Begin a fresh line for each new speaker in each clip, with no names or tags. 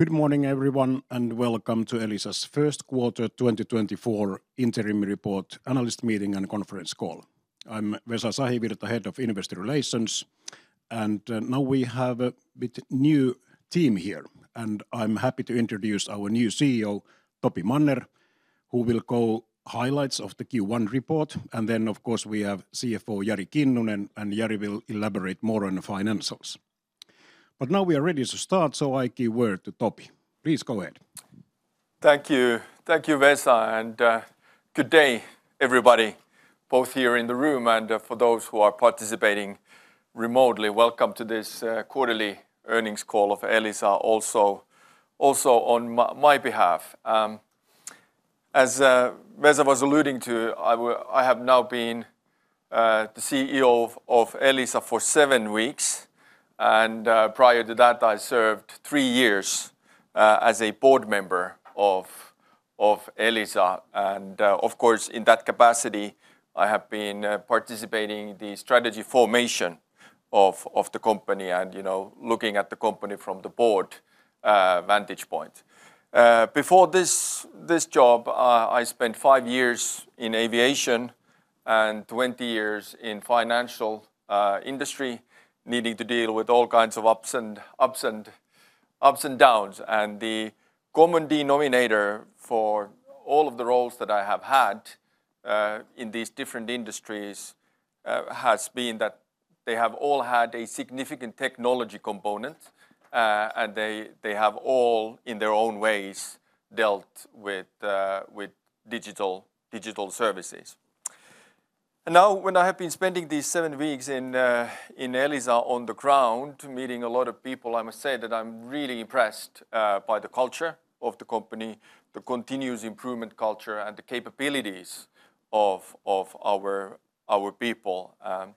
Good morning everyone and welcome to Elisa's first quarter 2024 interim report analyst meeting and conference call. I'm Vesa Sahivirta, Head of Investor Relations, and now we have a bit new team here, and I'm happy to introduce our new CEO Topi Manner, who will go through highlights of the Q1 report, and then of course we have CFO Jari Kinnunen, and Jari will elaborate more on the financials. Now we are ready to start, so I give the word to Topi. Please go ahead.
Thank you, Vesa, and good day everybody, both here in the room and for those who are participating remotely. Welcome to this quarterly earnings call of Elisa, also on my behalf. As Vesa was alluding to, I have now been the CEO of Elisa for seven weeks, and prior to that I served three years as a board member of Elisa, and of course in that capacity I have been participating in the strategy formation of the company and looking at the company from the board vantage point. Before this job I spent five years in aviation and 20 years in financial industry needing to deal with all kinds of ups and downs, and the common denominator for all of the roles that I have had in these different industries has been that they have all had a significant technology component and they have all in their own ways dealt with digital services. And now when I have been spending these seven weeks in Elisa on the ground meeting a lot of people, I must say that I'm really impressed by the culture of the company, the continuous improvement culture and the capabilities of our people. I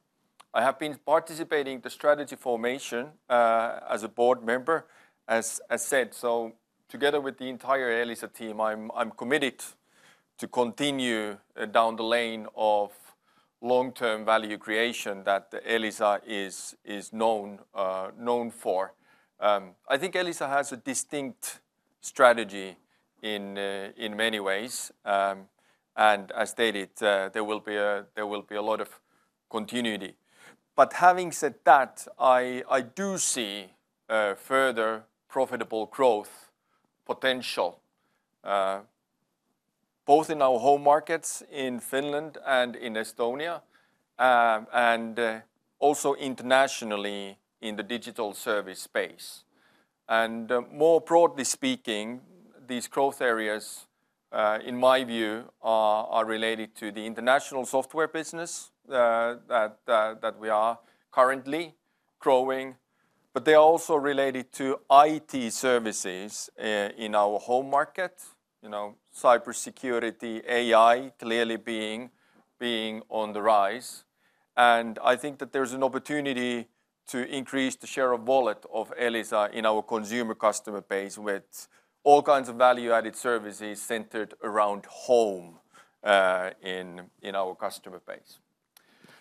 have been participating in the strategy formation as a board member, as said, so together with the entire Elisa team I'm committed to continue down the lane of long-term value creation that Elisa is known for. I think Elisa has a distinct strategy in many ways, and as stated there will be a lot of continuity. But having said that I do see further profitable growth potential both in our home markets in Finland and in Estonia and also internationally in the digital service space. And more broadly speaking these growth areas in my view are related to the international software business that we are currently growing, but they are also related to IT services in our home market, cybersecurity, AI clearly being on the rise, and I think that there's an opportunity to increase the share of wallet of Elisa in our Consumer Customers base with all kinds of value-added services centered around home in our customer base.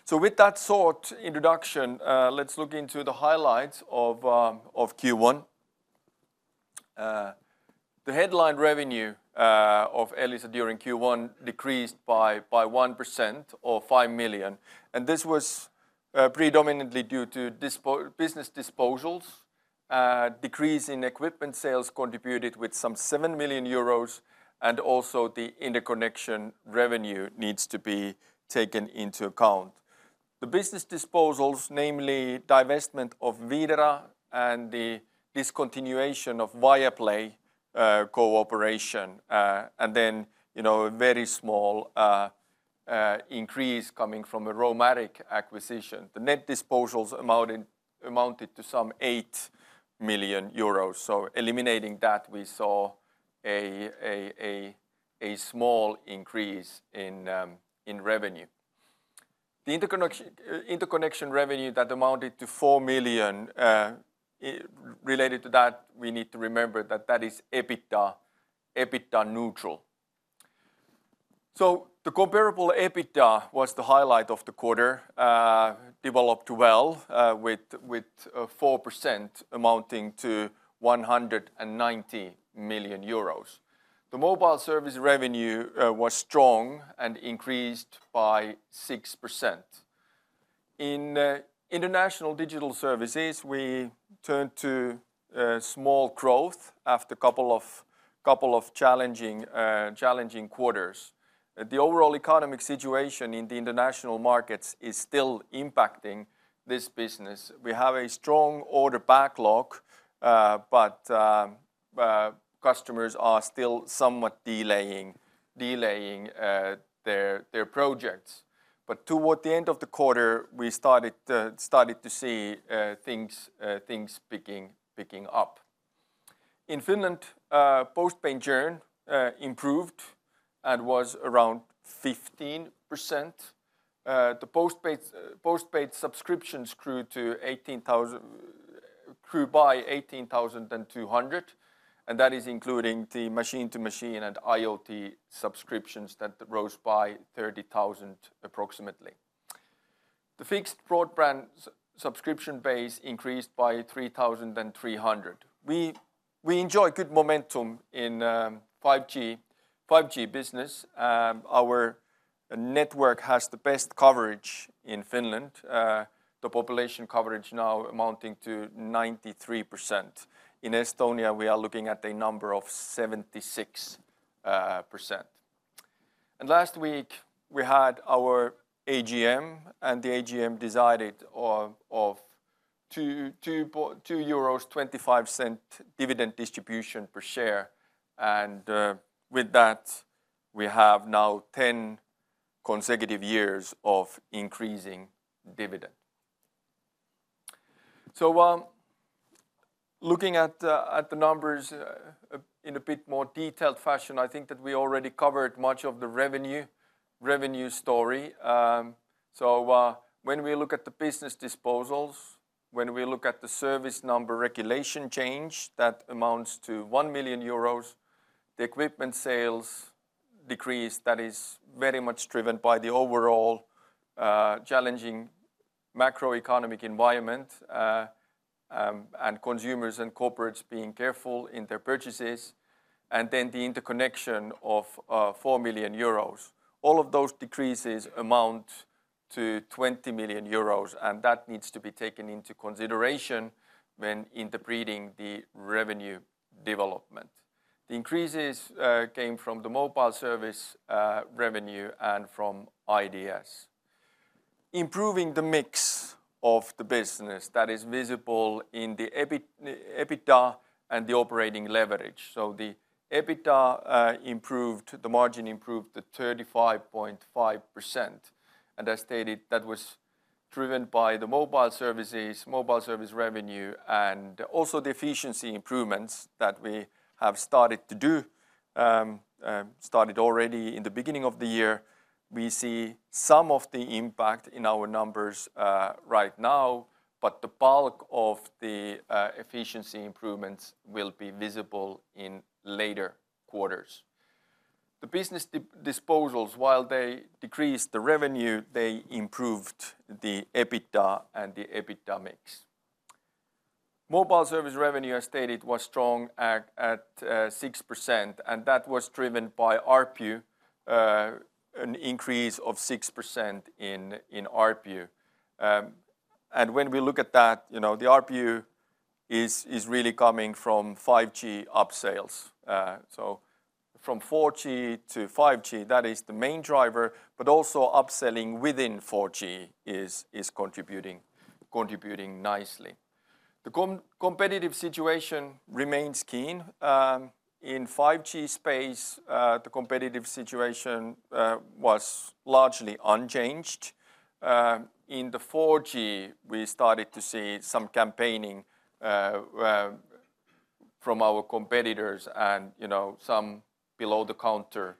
So with that short introduction let's look into the highlights of Q1. The headline revenue of Elisa during Q1 decreased by 1% or 5 million, and this was predominantly due to business disposals. Decrease in equipment sales contributed with some 7 million euros and also the interconnection revenue needs to be taken into account. The business disposals, namely divestment of Videra and the discontinuation of Viaplay cooperation, and then a very small increase coming from a Romaric acquisition. The net disposals amounted to some 8 million euros, so eliminating that we saw a small increase in revenue. The interconnection revenue, that amounted to 4 million related to that, we need to remember that that is EBITDA neutral. So the comparable EBITDA was the highlight of the quarter, developed well with 4% amounting to 190 million euros. The mobile service revenue was strong and increased by 6%. In International Digital Services we turned to small growth after a couple of challenging quarters. The overall economic situation in the international markets is still impacting this business. We have a strong order backlog but customers are still somewhat delaying their projects. But toward the end of the quarter we started to see things picking up. In Finland postpaid churn improved and was around 15%. The postpaid subscriptions grew by 18,200 and that is including the machine-to-machine and IoT subscriptions that rose by 30,000 approximately. The fixed broadband subscription base increased by 3,300. We enjoy good momentum in 5G business. Our network has the best coverage in Finland, the population coverage now amounting to 93%. In Estonia we are looking at a number of 76%. Last week we had our AGM and the AGM decided on a 2.25 dividend distribution per share and with that we have now 10 consecutive years of increasing dividend. So looking at the numbers in a bit more detailed fashion I think that we already covered much of the revenue story. So when we look at the business disposals, when we look at the service number regulation change that amounts to 1 million euros, the equipment sales decrease that is very much driven by the overall challenging macroeconomic environment and consumers and corporates being careful in their purchases and then the interconnection of 4 million euros. All of those decreases amount to 20 million euros and that needs to be taken into consideration when interpreting the revenue development. The increases came from the mobile service revenue and from IDS. Improving the mix of the business that is visible in the EBITDA and the operating leverage. So the EBITDA improved, the margin improved the 35.5% and as stated that was driven by the mobile services, mobile service revenue and also the efficiency improvements that we have started to do, started already in the beginning of the year. We see some of the impact in our numbers right now but the bulk of the efficiency improvements will be visible in later quarters. The business disposals while they decreased the revenue they improved the EBITDA and the EBITDA mix. Mobile service revenue as stated was strong at 6% and that was driven by ARPU, an increase of 6% in ARPU. And when we look at that the ARPU is really coming from 5G upsales. So from 4G to 5G that is the main driver but also upselling within 4G is contributing nicely. The competitive situation remains keen. In 5G space the competitive situation was largely unchanged. In the 4G we started to see some campaigning from our competitors and some under-the-counter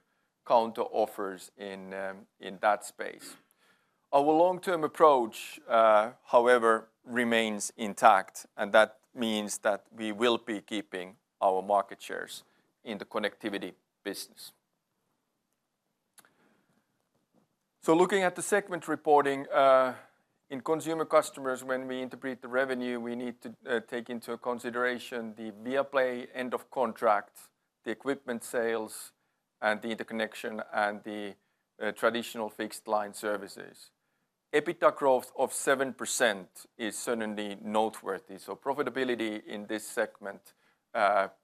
offers in that space. Our long-term approach however remains intact and that means that we will be keeping our market shares in the connectivity business. So looking at the segment reporting in Consumer Customers when we interpret the revenue we need to take into consideration the Viaplay end-of-contract, the equipment sales and the interconnection and the traditional fixed line services. EBITDA growth of 7% is certainly noteworthy. So profitability in this segment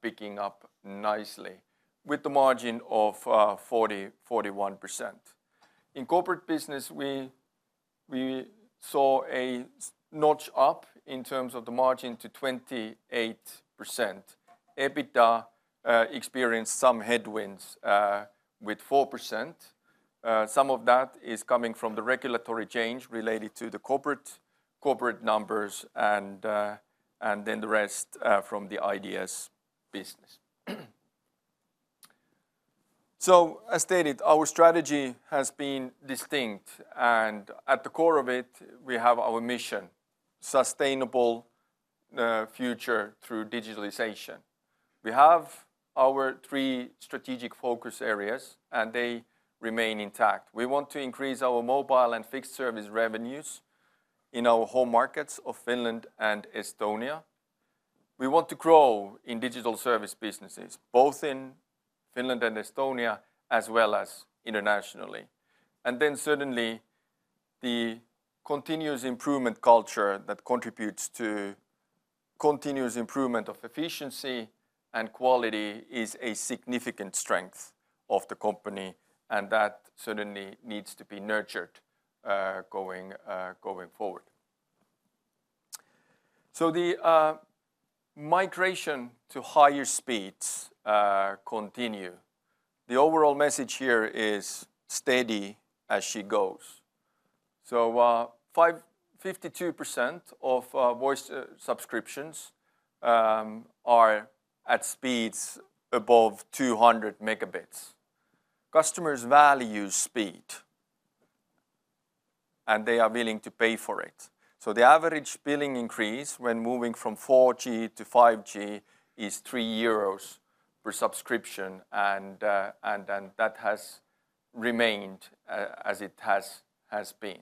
picking up nicely with the margin of 41%. In corporate business we saw a notch up in terms of the margin to 28%. EBITDA experienced some headwinds with 4%. Some of that is coming from the regulatory change related to the corporate numbers and then the rest from the IDS business. So as stated our strategy has been distinct and at the core of it we have our mission: sustainable future through digitalization. We have our three strategic focus areas and they remain intact. We want to increase our mobile and fixed service revenues in our home markets of Finland and Estonia. We want to grow in Digital Service businesses both in Finland and Estonia as well as internationally. And then certainly the continuous improvement culture that contributes to continuous improvement of efficiency and quality is a significant strength of the company and that certainly needs to be nurtured going forward. So the migration to higher speeds continue. The overall message here is steady as she goes. So 52% of voice subscriptions are at speeds above 200 Mbps. Customers value speed and they are willing to pay for it. So the average billing increase when moving from 4G to 5G is 3 euros per subscription and that has remained as it has been.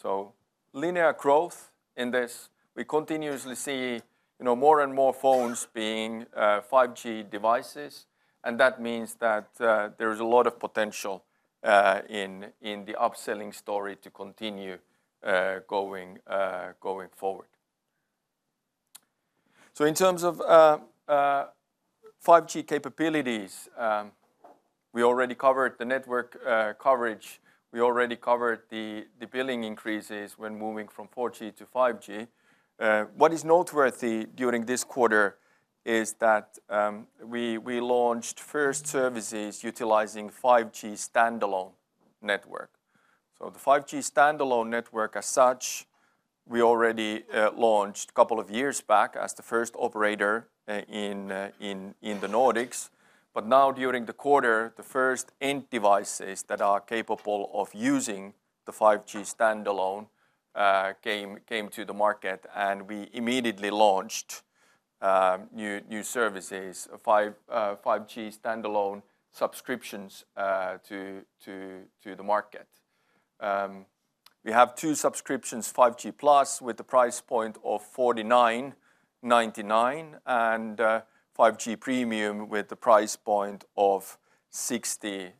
So linear growth in this. We continuously see more and more phones being 5G devices and that means that there is a lot of potential in the upselling story to continue going forward. So in terms of 5G capabilities we already covered the network coverage. We already covered the billing increases when moving from 4G to 5G. What is noteworthy during this quarter is that we launched first services utilizing 5G standalone network. So the 5G standalone network as such we already launched a couple of years back as the first operator in the Nordics. Now during the quarter the first end devices that are capable of using the 5G Standalone came to the market and we immediately launched new services, 5G Standalone subscriptions to the market. We have two subscriptions 5G+ with the price point of 49.99 and 5G Premium with the price point of 60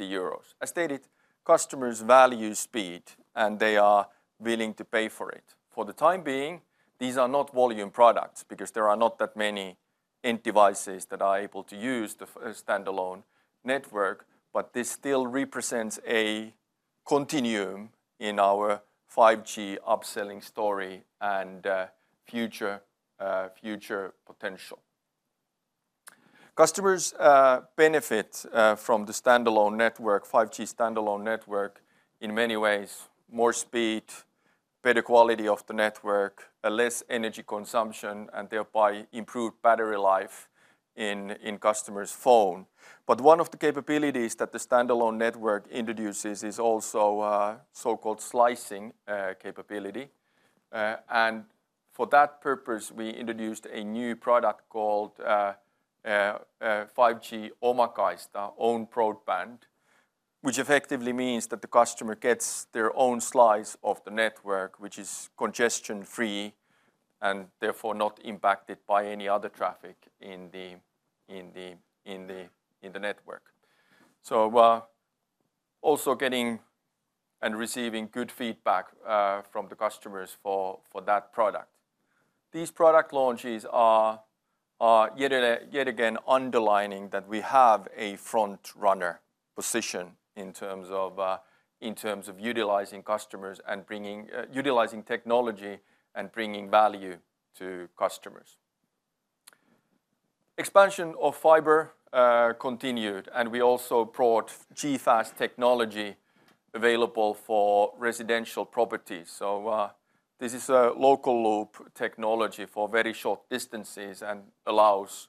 euros. As stated customers value speed and they are willing to pay for it. For the time being these are not volume products because there are not that many end devices that are able to use the standalone network but this still represents a continuum in our 5G upselling story and future potential. Customers benefit from the standalone network, 5G Standalone network in many ways: more speed, better quality of the network, less energy consumption and thereby improved battery life in customers' phone. But one of the capabilities that the standalone network introduces is also so-called slicing capability. And for that purpose we introduced a new product called 5G Omakaista, own broadband, which effectively means that the customer gets their own slice of the network which is congestion-free and therefore not impacted by any other traffic in the network. So also getting and receiving good feedback from the customers for that product. These product launches are yet again underlining that we have a front-runner position in terms of utilizing customers and utilizing technology and bringing value to customers. Expansion of fiber continued and we also brought G.fast technology available for residential properties. So this is a local loop technology for very short distances and allows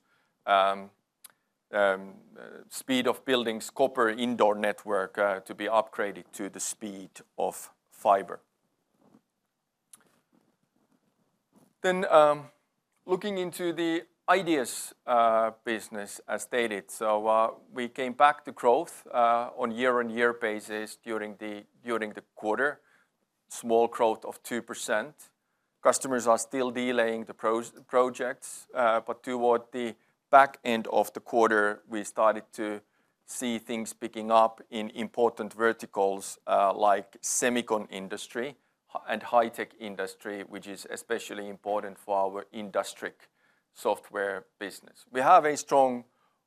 speed of buildings' copper indoor network to be upgraded to the speed of fiber. Then looking into the IDS business as stated: so we came back to growth on year-on-year basis during the quarter, small growth of 2%. Customers are still delaying the projects but toward the back end of the quarter we started to see things picking up in important verticals like semiconductor industry and high-tech industry which is especially important for our industry software business. We have a strong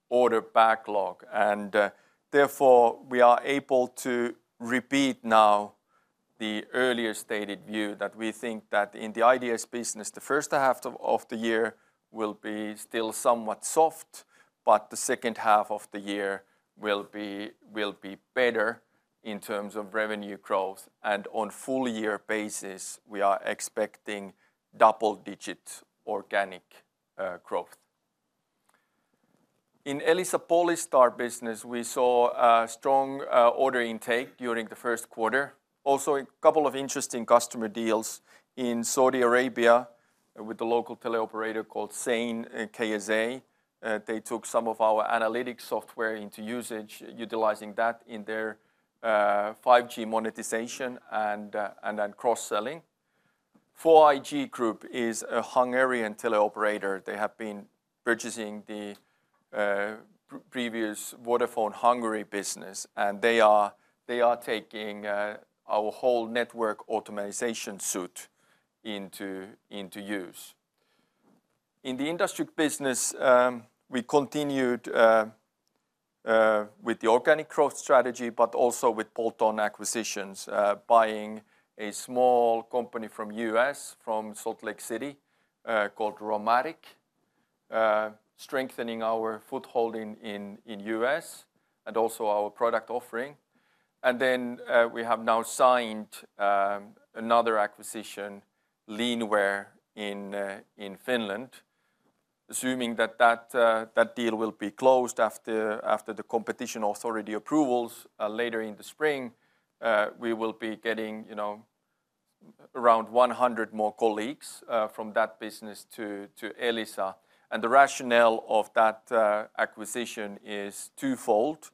order backlog and therefore we are able to repeat now the earlier stated view that we think that in the IDS business the first half of the year will be still somewhat soft but the second half of the year will be better in terms of revenue growth and on full-year basis we are expecting double-digit organic growth. In Elisa Polystar business we saw strong order intake during the first quarter. Also a couple of interesting customer deals in Saudi Arabia with a local telecom operator called Zain KSA. They took some of our analytics software into usage utilizing that in their 5G monetization and cross-selling. 4iG Group is a Hungarian telecom operator. They have been purchasing the previous Vodafone Hungary business and they are taking our whole network automation suite into use. In the industry business we continued with the organic growth strategy but also with bolt-on acquisitions, buying a small company from the U.S. from Salt Lake City called Romaric, strengthening our foothold in the U.S. and also our product offering. And then we have now signed another acquisition, Leanware, in Finland. Assuming that that deal will be closed after the competition authority approvals later in the spring we will be getting around 100 more colleagues from that business to Elisa. The rationale of that acquisition is twofold: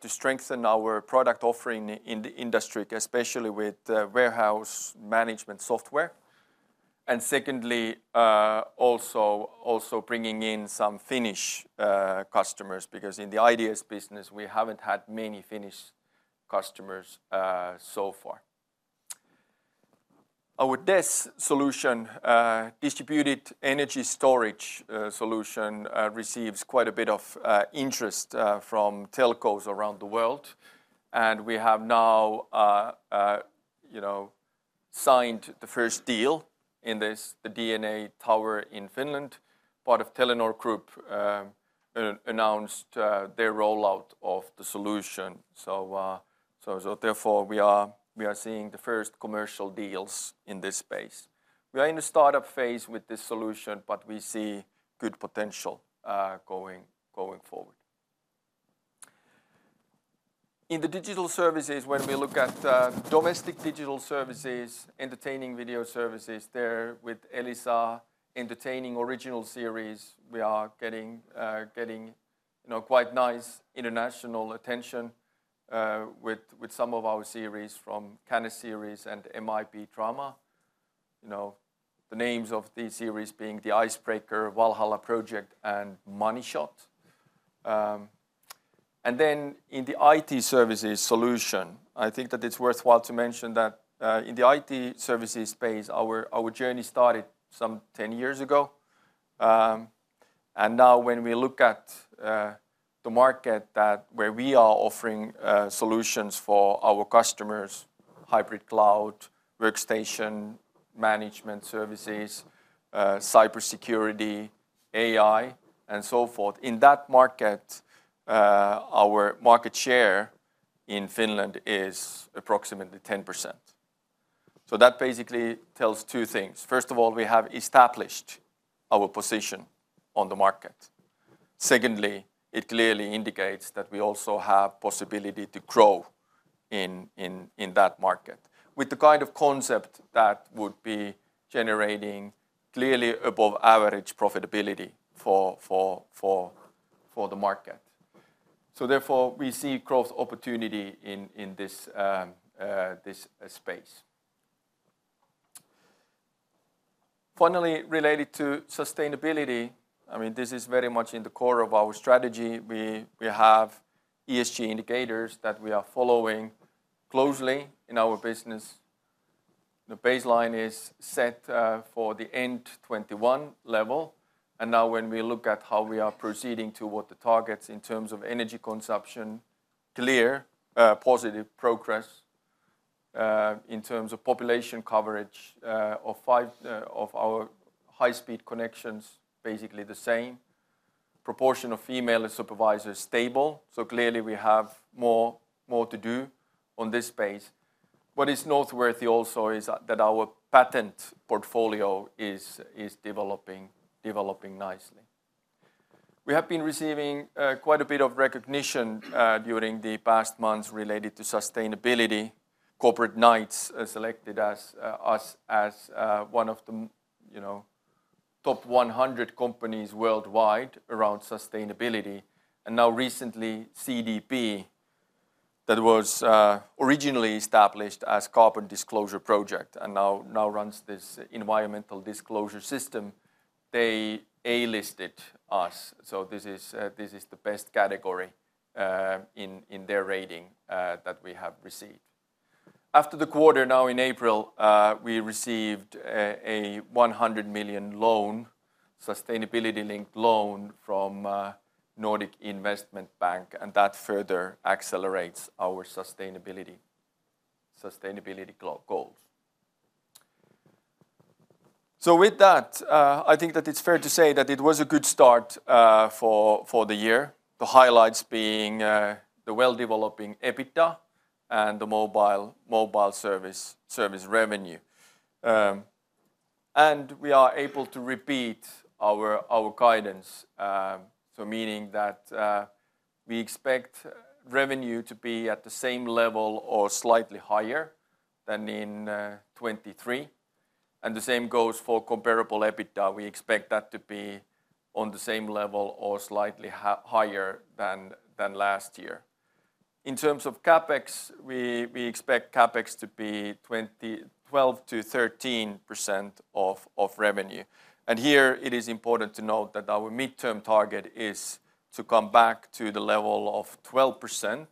to strengthen our product offering in the industry especially with warehouse management software and secondly also bringing in some Finnish customers because in the IDS business we haven't had many Finnish customers so far. Our DES solution, Distributed Energy Storage solution, receives quite a bit of interest from telcos around the world and we have now signed the first deal in this, the DNA Tower in Finland. Part of Telenor Group announced their rollout of the solution. Therefore we are seeing the first commercial deals in this space. We are in the startup phase with this solution but we see good potential going forward. In the Digital Services, when we look at Domestic Digital Services, entertainment video services there with Elisa Viihde original series, we are getting quite nice international attention with some of our series from Canneseries and MIPDrama. The names of these series being The Icebreaker, Valhalla Project, and Money Shot. Then in the IT services solution, I think that it's worthwhile to mention that in the IT services space our journey started some 10 years ago. And now when we look at the market where we are offering solutions for our customers: hybrid cloud, workstation management services, cybersecurity, AI and so forth. In that market our market share in Finland is approximately 10%. So that basically tells two things: first of all we have established our position on the market. Secondly, it clearly indicates that we also have possibility to grow in that market with the kind of concept that would be generating clearly above average profitability for the market. So therefore we see growth opportunity in this space. Finally, related to sustainability: I mean, this is very much in the core of our strategy. We have ESG indicators that we are following closely in our business. The baseline is set for the end-2021 level and now when we look at how we are proceeding toward the targets in terms of energy consumption: clear positive progress in terms of population coverage of 5G of our high-speed connections basically the same. Proportion of female supervisors stable. So clearly we have more to do on this space. What is noteworthy also is that our patent portfolio is developing nicely. We have been receiving quite a bit of recognition during the past months related to sustainability: Corporate Knights selected us as one of the top 100 companies worldwide around sustainability and now recently CDP that was originally established as Carbon Disclosure Project and now runs this environmental disclosure system. They A-listed us. So this is the best category in their rating that we have received. After the quarter, now in April we received a 100 million loan, sustainability-linked loan from Nordic Investment Bank and that further accelerates our sustainability goals. So with that I think that it's fair to say that it was a good start for the year. The highlights being the well-developing EBITDA and the mobile service revenue. And we are able to repeat our guidance. So meaning that we expect revenue to be at the same level or slightly higher than in 2023 and the same goes for comparable EBITDA. We expect that to be on the same level or slightly higher than last year. In terms of CapEx we expect CapEx to be 12%-13% of revenue. And here it is important to note that our mid-term target is to come back to the level of 12%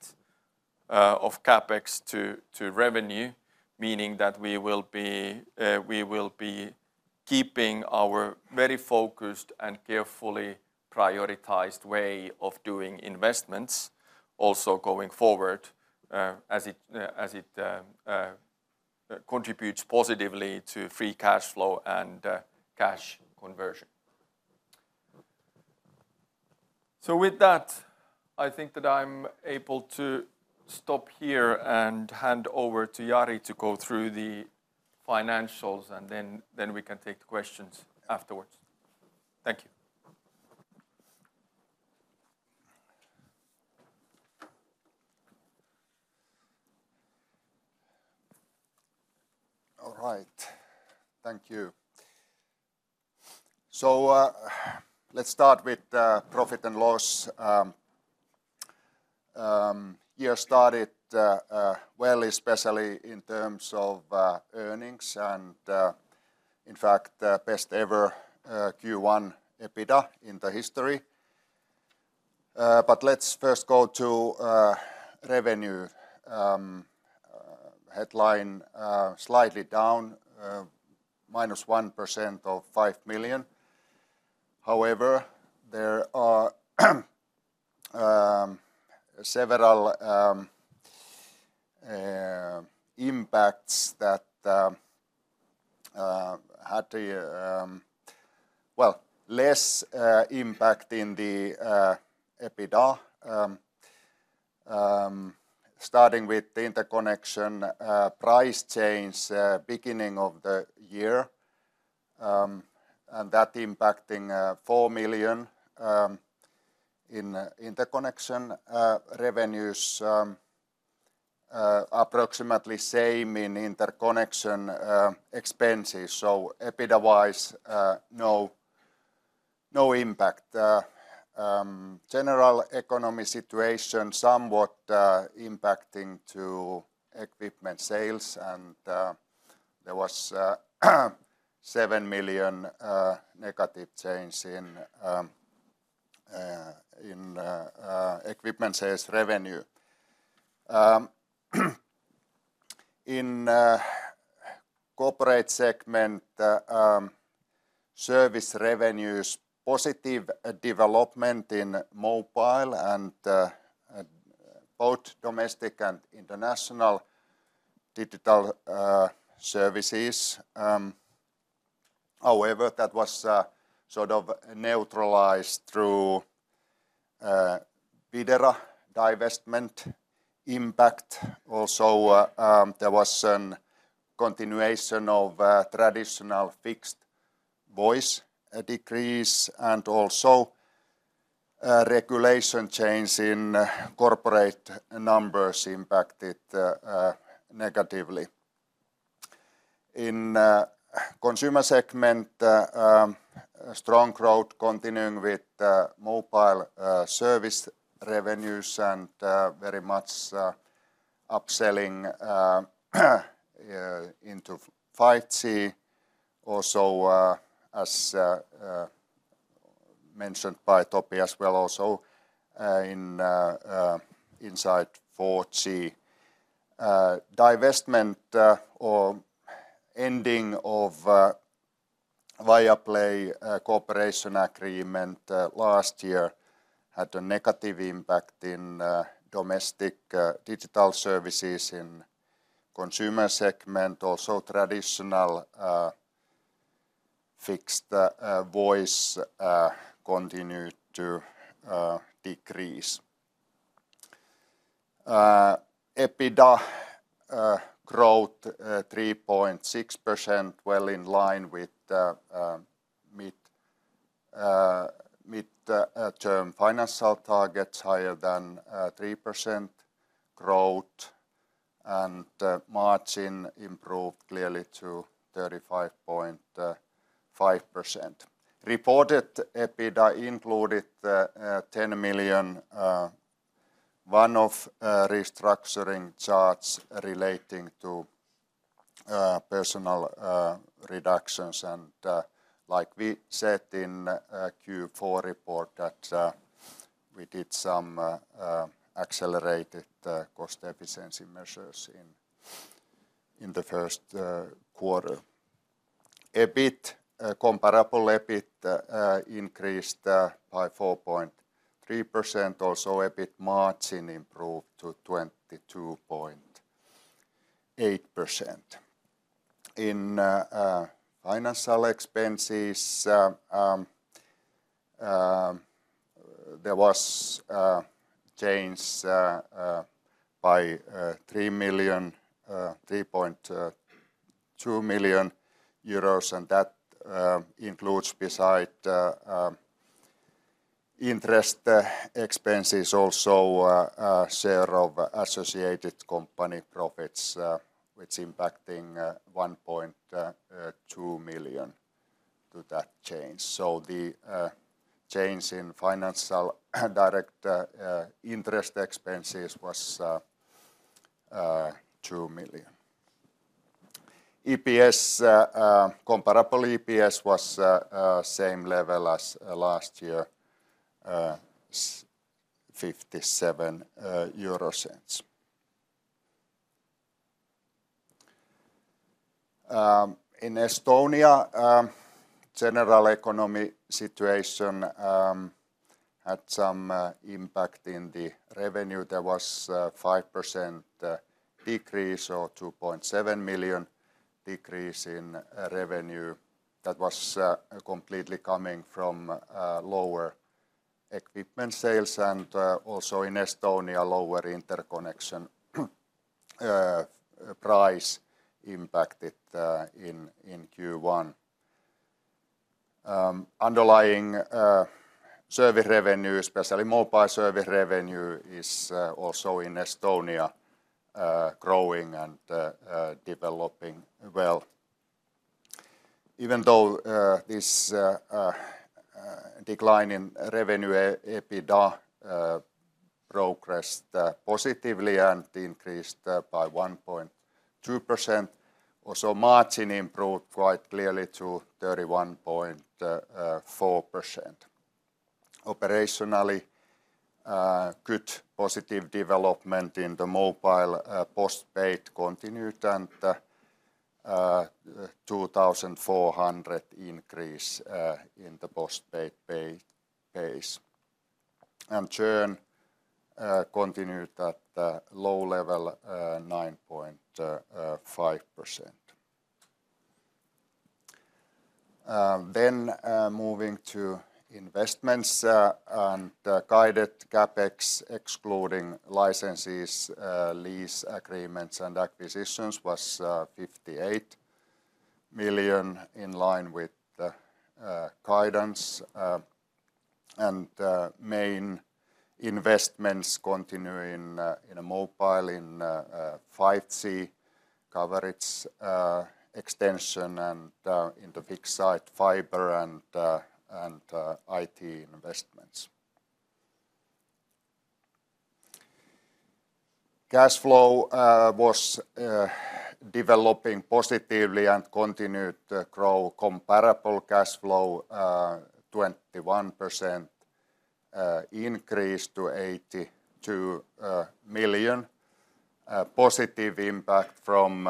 CapEx to revenue meaning that we will be keeping our very focused and carefully prioritized way of doing investments also going forward as it contributes positively to free cash flow and cash conversion. So with that I think that I'm able to stop here and hand over to Jari to go through the financials and then we can take the questions afterwards. Thank you.
All right. Thank you. So let's start with profit and loss. Year started well especially in terms of earnings and in fact best ever Q1 EBITDA in the history. But let's first go to revenue. Headline slightly down: minus 1% or 5 million. However there are several impacts that had the, well, less impact in the EBITDA starting with the interconnection price change beginning of the year and that impacting 4 million in interconnection revenues. Approximately same in interconnection expenses. So EBITDA-wise no impact. General economy situation somewhat impacting to equipment sales and there was -7 million change in equipment sales revenue. In Corporate segment service revenues: positive development in mobile and both Domestic and International Digital Services. However that was sort of neutralized through Videra divestment impact. Also there was a continuation of traditional fixed voice decrease and also regulation change in corporate numbers impacted negatively. In Consumer segment strong growth continuing with mobile service revenues and very much upselling into 5G. Also as mentioned by Topi as well also inside 4G. Divestment or ending of Viaplay cooperation agreement last year had a negative impact in Domestic Digital Services in Consumer segment. Also traditional fixed voice continued to decrease. EBITDA growth 3.6% well in line with mid-term financial targets higher than 3% growth and margin improved clearly to 35.5%. Reported EBITDA included EUR 10 million one-off restructuring charges relating to personnel reductions and like we said in Q4 report that we did some accelerated cost efficiency measures in the first quarter. EBIT, comparable EBIT increased by 4.3%. Also EBIT margin improved to 22.8%. In financial expenses there was change by 3 million, 3.2 million euros and that includes beside interest expenses also share of associated company profits which impacting 1.2 million to that change. So the change in financial direct interest expenses was EUR 2 million. EPS, comparable EPS was same level as last year: EUR 0.57. In Estonia general economy situation had some impact in the revenue. There was 5% decrease or 2.7 million decrease in revenue. That was completely coming from lower equipment sales and also in Estonia lower interconnection price impacted in in Q1. Underlying service revenue, especially mobile service revenue is also in Estonia growing and developing well. Even though this declining revenue EBITDA progressed positively and increased by 1.2%. Also margin improved quite clearly to 31.4%. Operationally good positive development in the mobile postpaid continued and 2,400 increase in the postpaid phase. Churn continued at low level 9.5%. Moving to investments and guided CapEx excluding licenses, lease agreements and acquisitions was 58 million in line with the guidance. Main investments continuing in mobile in 5G coverage extension and in the fixed site fiber and IT investments. Cash flow was developing positively and continued to grow comparable cash flow 21% increase to 82 million. Positive impact from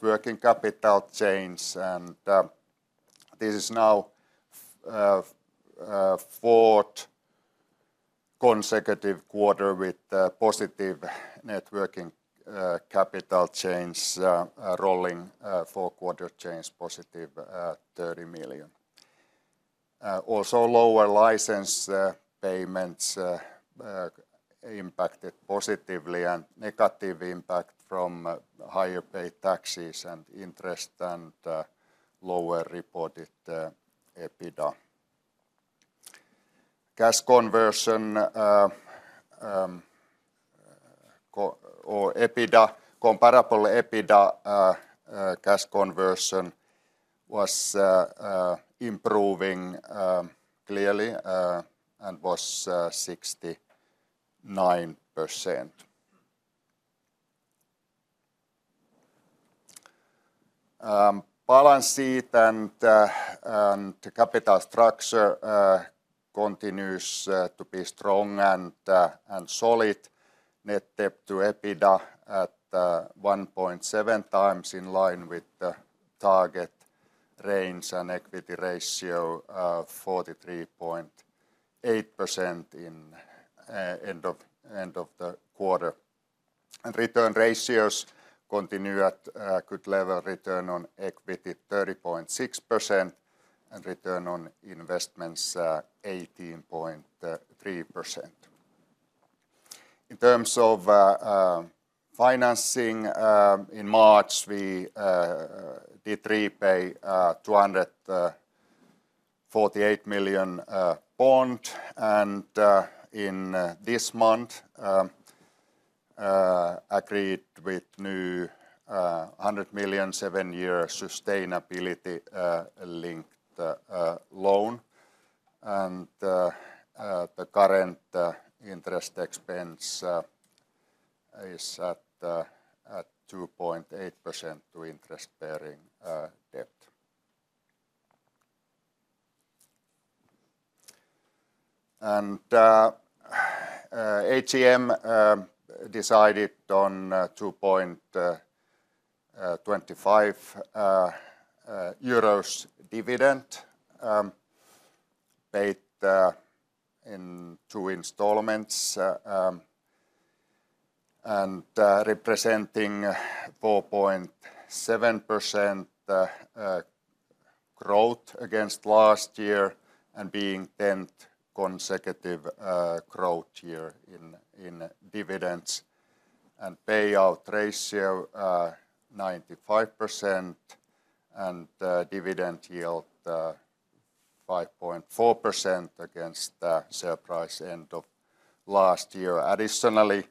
working capital change and this is now fourth consecutive quarter with positive working capital change rolling four-quarter change positive 30 million. Also lower license payments impacted positively and negative impact from higher paid taxes and interest and lower reported EBITDA. Cash conversion of EBITDA, comparable EBITDA cash conversion was improving clearly and was 69%. Balance sheet and capital structure continues to be strong and solid. Net debt-to-EBITDA at 1.7x in line with the target range and equity ratio 43.8% at end of the quarter. Return ratios continue at good level. Return on equity 30.6% and return on investments 18.3%. In terms of financing in March we did repay EUR 248 million bond and in this month agreed with new 100 million seven-year sustainability-linked loan and the current interest expense is at 2.8% to interest bearing debt. AGM decided on 2.25 euros dividend paid in two installments and representing 4.7% growth against last year and being 10th consecutive growth year in dividends and payout ratio 95% and dividend yield 5.4% against the share price end of last year. Additionally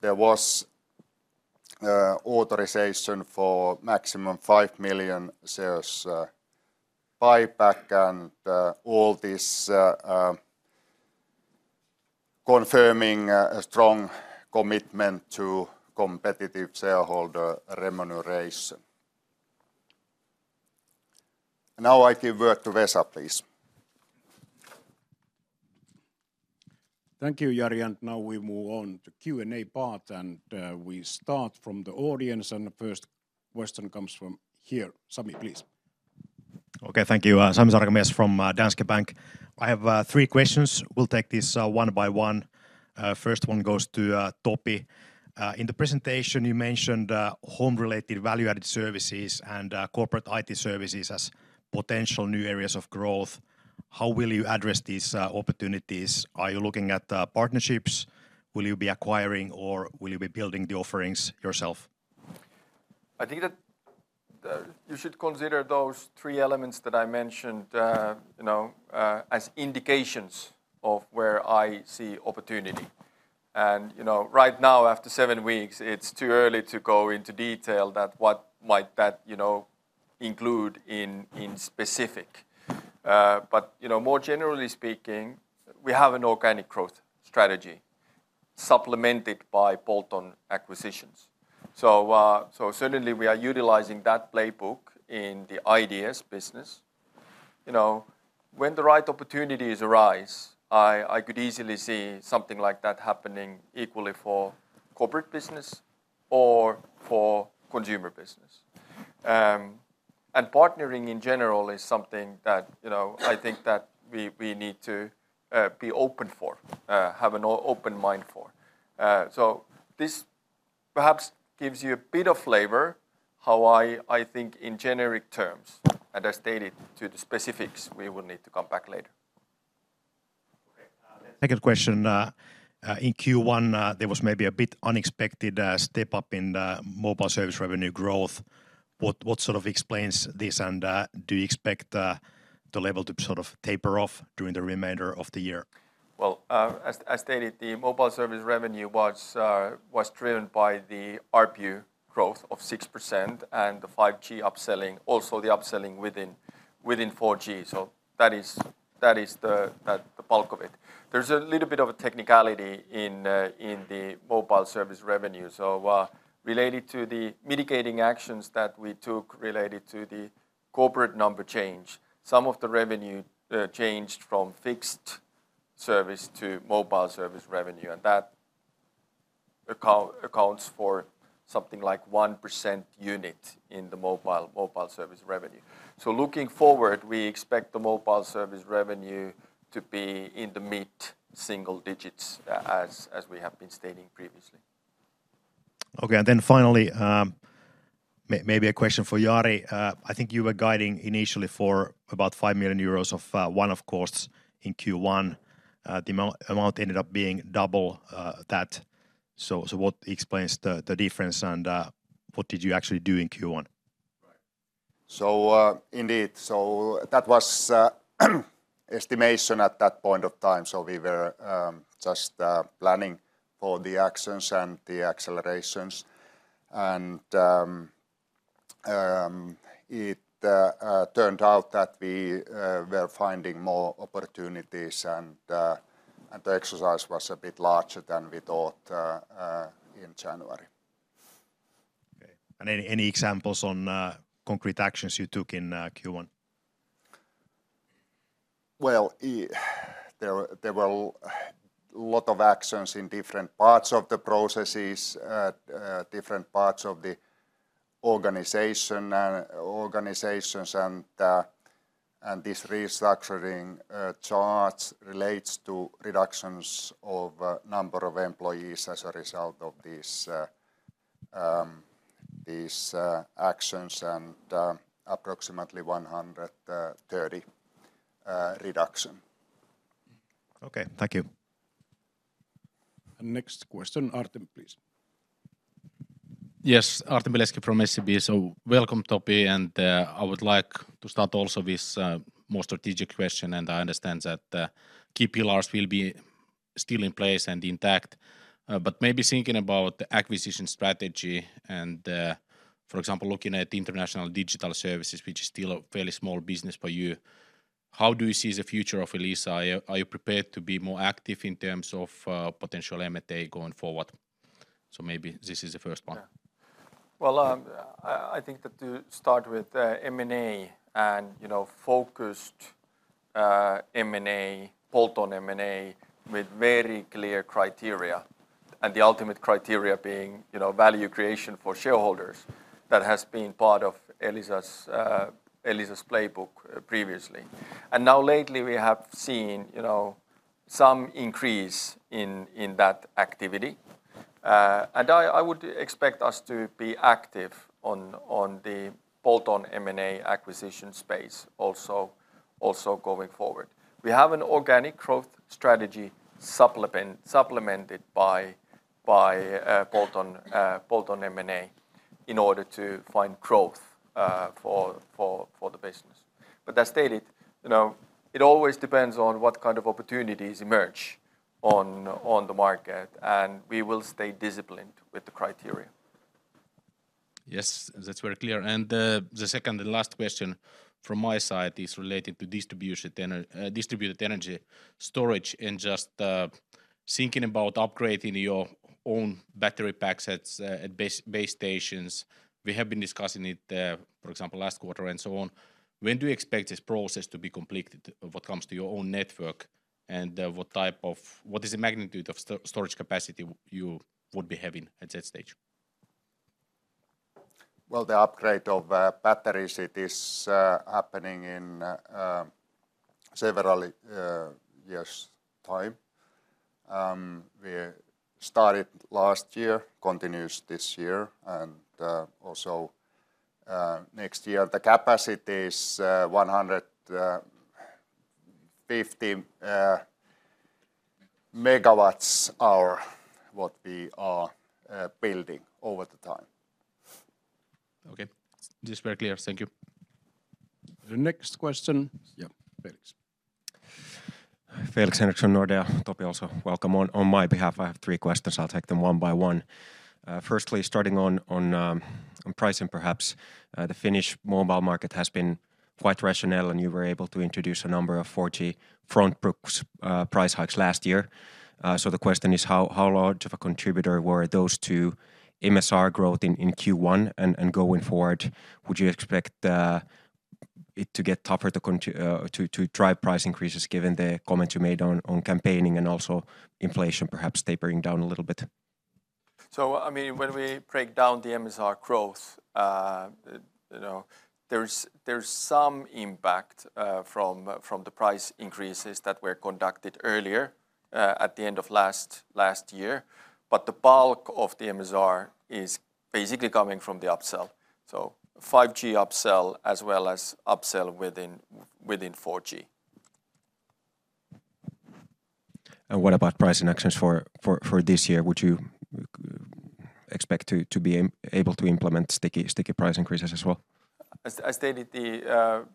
there was authorization for maximum 5 million shares buyback and all this confirming a strong commitment to competitive shareholder remuneration. Now I give word to Vesa, please.
Thank you, Jari, and now we move on to Q&A part and we start from the audience and the first question comes from here. Sami, please.
Okay, thank you. Sami Sarkamies from Danske Bank. I have three questions. We'll take this one by one. First one goes to Topi. In the presentation you mentioned home-related value-added services and corporate IT services as potential new areas of growth. How will you address these opportunities? Are you looking at partnerships? Will you be acquiring or will you be building the offerings yourself?
I think that you should consider those three elements that I mentioned you know as indications of where I see opportunity. And you know right now after seven weeks it's too early to go into detail that what might that you know include in in specific. But you know, more generally speaking, we have an organic growth strategy supplemented by bolt-on acquisitions. So certainly we are utilizing that playbook in the IDS business. You know, when the right opportunities arise, I could easily see something like that happening equally for corporate business or for Consumer business. And partnering in general is something that, you know, I think that we need to be open for, have an open mind for. So this perhaps gives you a bit of flavor how I think in generic terms, and as stated to the specifics we will need to come back later.
Okay. Second question. In Q1 there was maybe a bit unexpected step up in the mobile service revenue growth. What sort of explains this and do you expect the level to sort of taper off during the remainder of the year?
Well, as stated, the mobile service revenue was driven by the ARPU growth of 6% and the 5G upselling, also the upselling within 4G. So that is the bulk of it. There's a little bit of a technicality in the mobile service revenue. So related to the mitigating actions that we took related to the corporate number change, some of the revenue changed from fixed service to mobile service revenue and that accounts for something like 1% unit in the mobile service revenue. So looking forward, we expect the mobile service revenue to be in the mid single digits as we have been stating previously.
Okay, and then finally maybe a question for Jari. I think you were guiding initially for about 5 million euros of one-off costs in Q1. The amount ended up being double that. So what explains the difference and what did you actually do in Q1?
Right. So indeed. So that was estimation at that point of time. So we were just planning for the actions and the accelerations. And it turned out that we were finding more opportunities and the exercise was a bit larger than we thought in January.
Okay. And any examples on concrete actions you took in Q1?
Well there were a lot of actions in different parts of the processes, different parts of the organization and organizations and this restructuring charge relates to reductions of number of employees as a result of these actions and approximately 130 reductions.
Okay. Thank you.
Next question. Artem, please.
Yes. Artem Beletski from SEB. So welcome Topi and I would like to start also with a more strategic question and I understand that key pillars will be still in place and intact. But maybe thinking about the acquisition strategy and for example looking at International Digital Services which is still a fairly small business for you. How do you see the future of Elisa? Are you prepared to be more active in terms of potential M&A going forward? So maybe this is the first one.
Well, I think that to start with M&A and focused M&A, bolt-on M&A with very clear criteria and the ultimate criteria being value creation for shareholders that has been part of Elisa's playbook previously. And now lately we have seen some increase in that activity. And I would expect us to be active on the bolt-on M&A acquisition space also going forward. We have an organic growth strategy supplemented by bolt-on M&A in order to find growth for the business. But as stated, you know, it always depends on what kind of opportunities emerge on the market, and we will stay disciplined with the criteria.
Yes. That's very clear. And the second and last question from my side is related to Distributed Energy Storage and just thinking about upgrading your own battery packs at base stations. We have been discussing it, for example, last quarter and so on. When do you expect this process to be completed? What comes to your own network and what type of, what is the magnitude of storage capacity you would be having at that stage?
Well, the upgrade of batteries, it is happening in several years' time. We started last year, continues this year, and also next year. The capacity is 150 MWh what we are building over the time.
Okay. This is very clear. Thank you.
The next question. Yep. Felix.
Felix Henriksson, Nordea. Topi, also welcome on my behalf. I have three questions. I'll take them one by one. Firstly, starting on pricing, perhaps. The Finnish mobile market has been quite rational, and you were able to introduce a number of 4G frontbook price hikes last year. So, the question is, how large of a contributor were those to MSR growth in Q1 and going forward? Would you expect it to get tougher to drive price increases given the comments you made on campaigning and also inflation perhaps tapering down a little bit?
So, I mean, when we break down the MSR growth, you know, there's some impact from the price increases that were conducted earlier at the end of last year. But the bulk of the MSR is basically coming from the upsell. So, 5G upsell as well as upsell within 4G.
What about pricing actions for this year? Would you expect to be able to implement sticky price increases as well?
As stated, the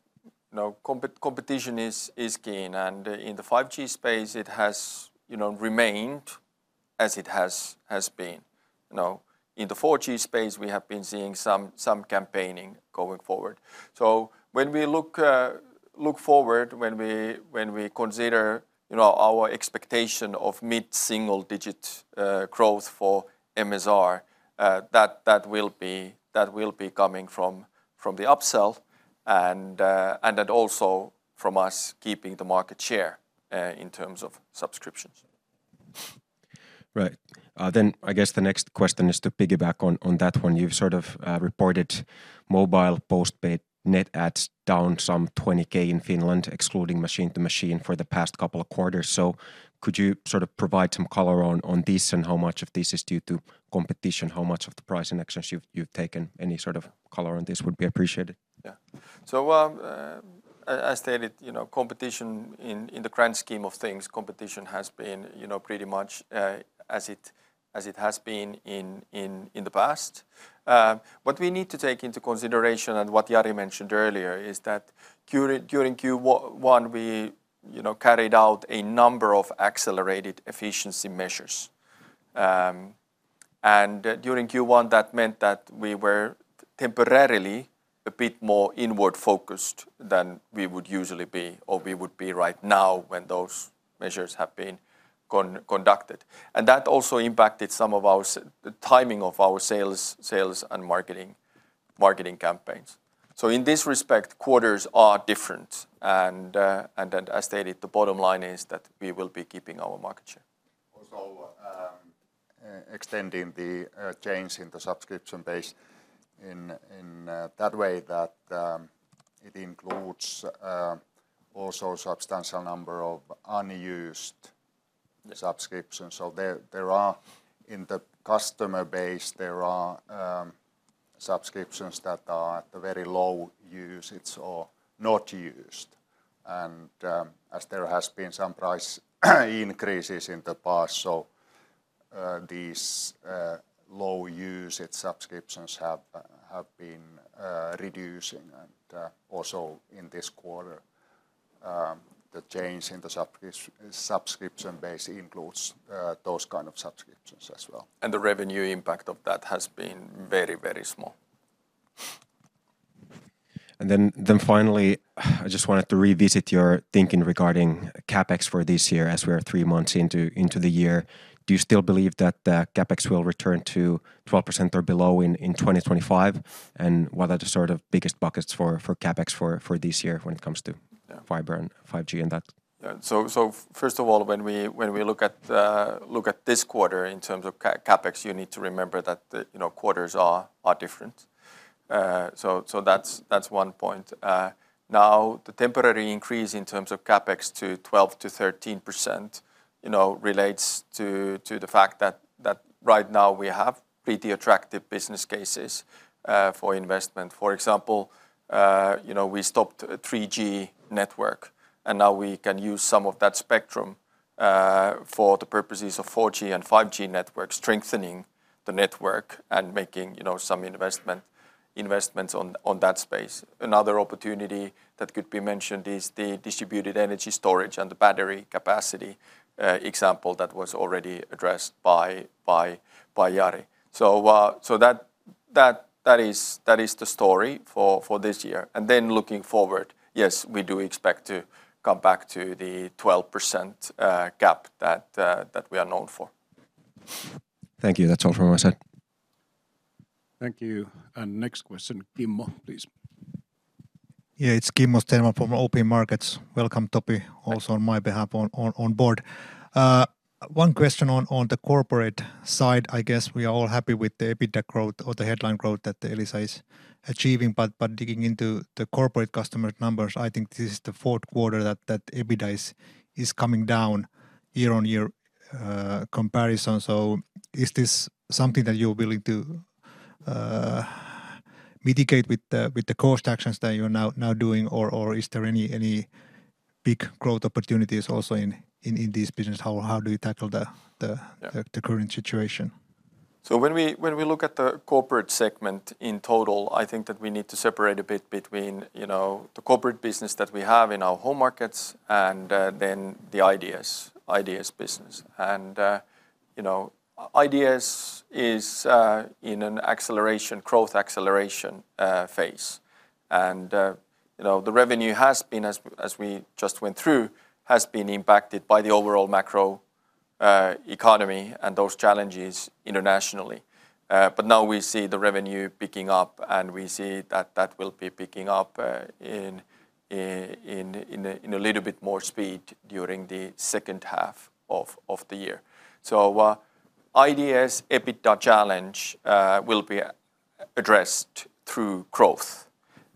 competition is keen and in the 5G space it has remained as it has been. In the 4G space we have been seeing some campaigning going forward. When we look forward, when we consider our expectation of mid single digit growth for MSR that will be coming from the upsell and that also from us keeping the market share in terms of subscriptions.
Right. I guess the next question is to piggyback on that one. You've sort of reported mobile postpaid net adds down some 20,000 in Finland excluding machine to machine for the past couple of quarters. Could you sort of provide some color on this and how much of this is due to competition? How much of the pricing actions you've taken? Any sort of color on this would be appreciated.
Yeah. So as stated, competition in the grand scheme of things competition has been pretty much as it has been in the past. What we need to take into consideration and what Jari mentioned earlier is that during Q1 we carried out a number of accelerated efficiency measures. And during Q1 that meant that we were temporarily a bit more inward focused than we would usually be or we would be right now when those measures have been conducted. And that also impacted some of our timing of our sales and marketing campaigns. So in this respect quarters are different and as stated the bottom line is that we will be keeping our market share.
Also extending the change in the subscription base in that way that it includes also a substantial number of unused subscriptions. So there are in the customer base there are subscriptions that are at the very low use or not used. And as there has been some price increases in the past so these low use subscriptions have been reducing and also in this quarter the change in the subscription base includes those kind of subscriptions as well. And the revenue impact of that has been very, very small.
And then finally I just wanted to revisit your thinking regarding CapEx for this year as we are three months into the year. Do you still believe that CapEx will return to 12% or below in 2025 and what are the sort of biggest buckets for CapEx for this year when it comes to fiber and 5G and that?
So first of all when we look at this quarter in terms of CapEx you need to remember that quarters are different. So that's one point. Now the temporary increase in terms of CapEx to 12%-13% relates to the fact that right now we have pretty attractive business cases for investment. For example we stopped 3G network and now we can use some of that spectrum for the purposes of 4G and 5G networks strengthening the network and making some investments on that space. Another opportunity that could be mentioned is the Distributed Energy Storage and the battery capacity example that was already addressed by Jari. So that is the story for this year. And then looking forward yes we do expect to come back to the 12% cap that we are known for.
Thank you. That's all from my side.
Thank you. And next question. Kimmo, please.
Yeah. It's Kimmo Stenvall from OP Markets. Welcome, Topi, also on my behalf, on board. One question on the corporate side. I guess we are all happy with the EBITDA growth or the headline growth that Elisa is achieving. But digging into the corporate customer numbers, I think this is the fourth quarter that EBITDA is coming down year-on-year comparison. So is this something that you're willing to mitigate with the cost actions that you're now doing or is there any big growth opportunities also in this business? How do you tackle the current situation?
So when we look at the Corporate segment in total, I think that we need to separate a bit between the corporate business that we have in our home markets and then the IDS business. And IDS is in an acceleration, growth acceleration phase. The revenue has been, as we just went through, impacted by the overall macro economy and those challenges internationally. But now we see the revenue picking up and we see that that will be picking up in a little bit more speed during the second half of the year. So IDS EBITDA challenge will be addressed through growth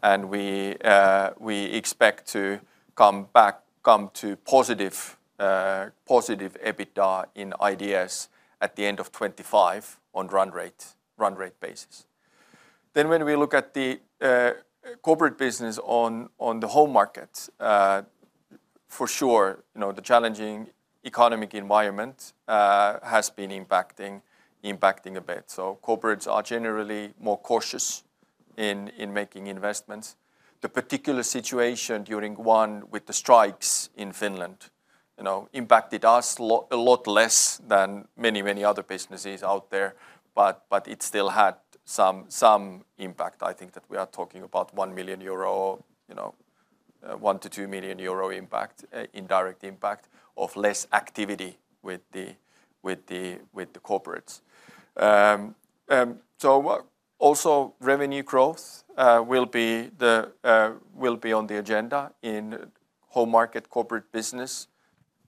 and we expect to come back, come to positive EBITDA in IDS at the end of 2025 on run rate basis. Then when we look at the corporate business on the home markets for sure the challenging economic environment has been impacting a bit. So corporates are generally more cautious in making investments. The particular situation during one with the strikes in Finland impacted us a lot less than many, many other businesses out there but it still had some impact. I think that we are talking about 1 million euro or 1 million-2 million euro impact, indirect impact of less activity with the corporates. So also revenue growth will be on the agenda in home market corporate business,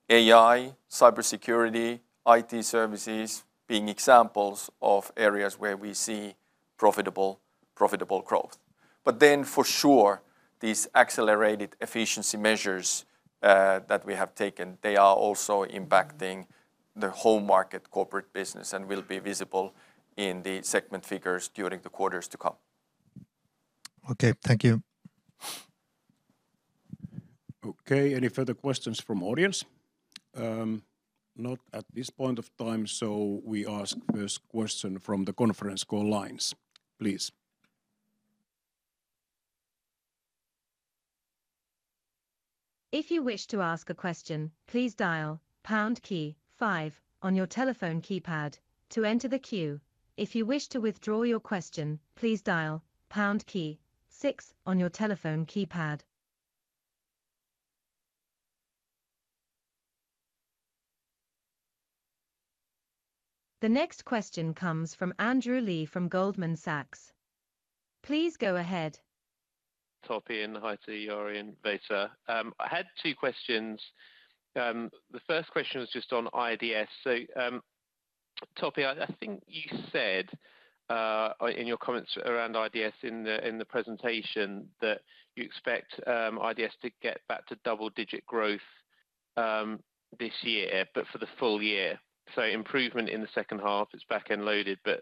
AI, cybersecurity, IT services being examples of areas where we see profitable growth. But then for sure these accelerated efficiency measures that we have taken they are also impacting the home market corporate business and will be visible in the segment figures during the quarters to come.
Okay. Thank you.
Okay. Any further questions from audience? Not at this point of time so we ask first question from the conference call lines. Please.
If you wish to ask a question please dial pound key five on your telephone keypad to enter the queue. If you wish to withdraw your question please dial pound key six on your telephone keypad. The next question comes from Andrew Lee from Goldman Sachs. Please go ahead.
Topi, and hi to Jari and Vesa. I had two questions. The first question was just on IDS. So Topi I think you said in your comments around IDS in the presentation that you expect IDS to get back to double-digit growth this year but for the full year. So improvement in the second half, it's back-loaded but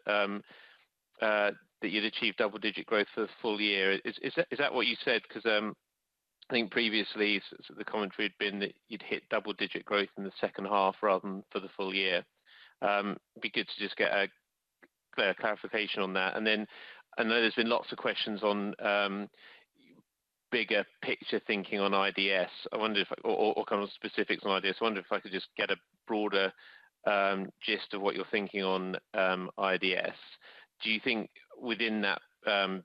that you'd achieve double-digit growth for the full year. Is that what you said? Because I think previously the commentary had been that you'd hit double-digit growth in the second half rather than for the full year. It'd be good to just get a clear clarification on that. And then I know there's been lots of questions on bigger picture thinking on IDS. I wonder if, or kind of specifics on IDS. I wonder if I could just get a broader gist of what you're thinking on IDS. Do you think within that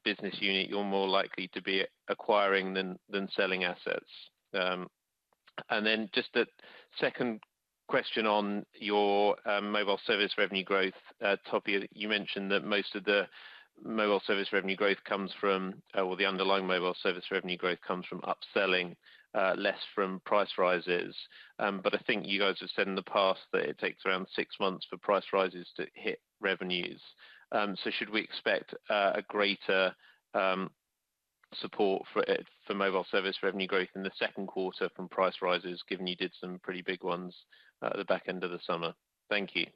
business unit you're more likely to be acquiring than selling assets? And then just the second question on your mobile service revenue growth. Topi, you mentioned that most of the mobile service revenue growth comes from, or the underlying mobile service revenue growth comes from upselling, less from price rises. But I think you guys have said in the past that it takes around six months for price rises to hit revenues. So should we expect a greater support for mobile service revenue growth in the second quarter from price rises given you did some pretty big ones at the back end of the summer? Thank you.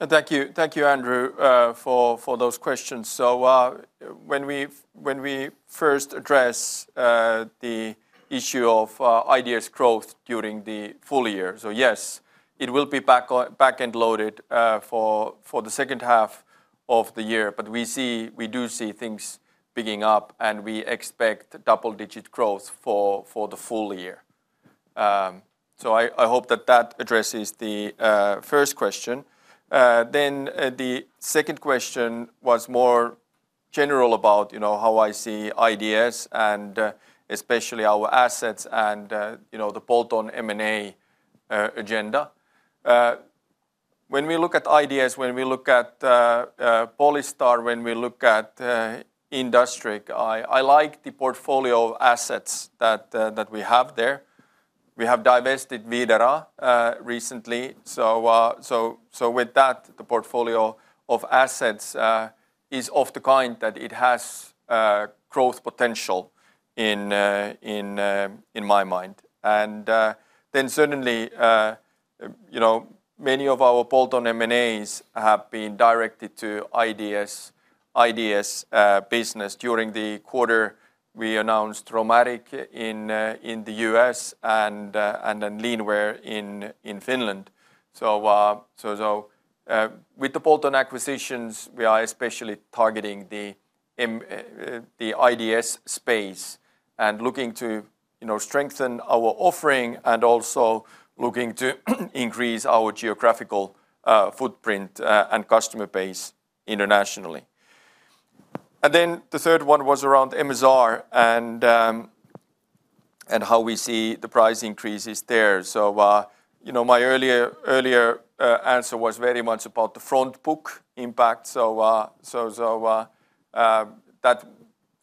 And thank you, Andrew, for those questions. So when we first address the issue of IDS growth during the full year, so yes it will be back-loaded for the second half of the year but we do see things picking up and we expect double-digit growth for the full year. So I hope that that addresses the first question. Then the second question was more general about how I see IDS and especially our assets and the bolt-on M&A agenda. When we look at IDS, when we look at Polystar, when we look at IndustrIQ, I like the portfolio of assets that we have there. We have divested Videra recently. So with that the portfolio of assets is of the kind that it has growth potential in my mind. And then certainly many of our bolt-on M&As have been directed to IDS business during the quarter we announced Romaric in the U.S. and then Leanware in Finland. So with the bolt-on acquisitions we are especially targeting the IndustrIQ space and looking to strengthen our offering and also looking to increase our geographical footprint and customer base internationally. And then the third one was around MSR and how we see the price increases there. So my earlier answer was very much about the front book impact. So that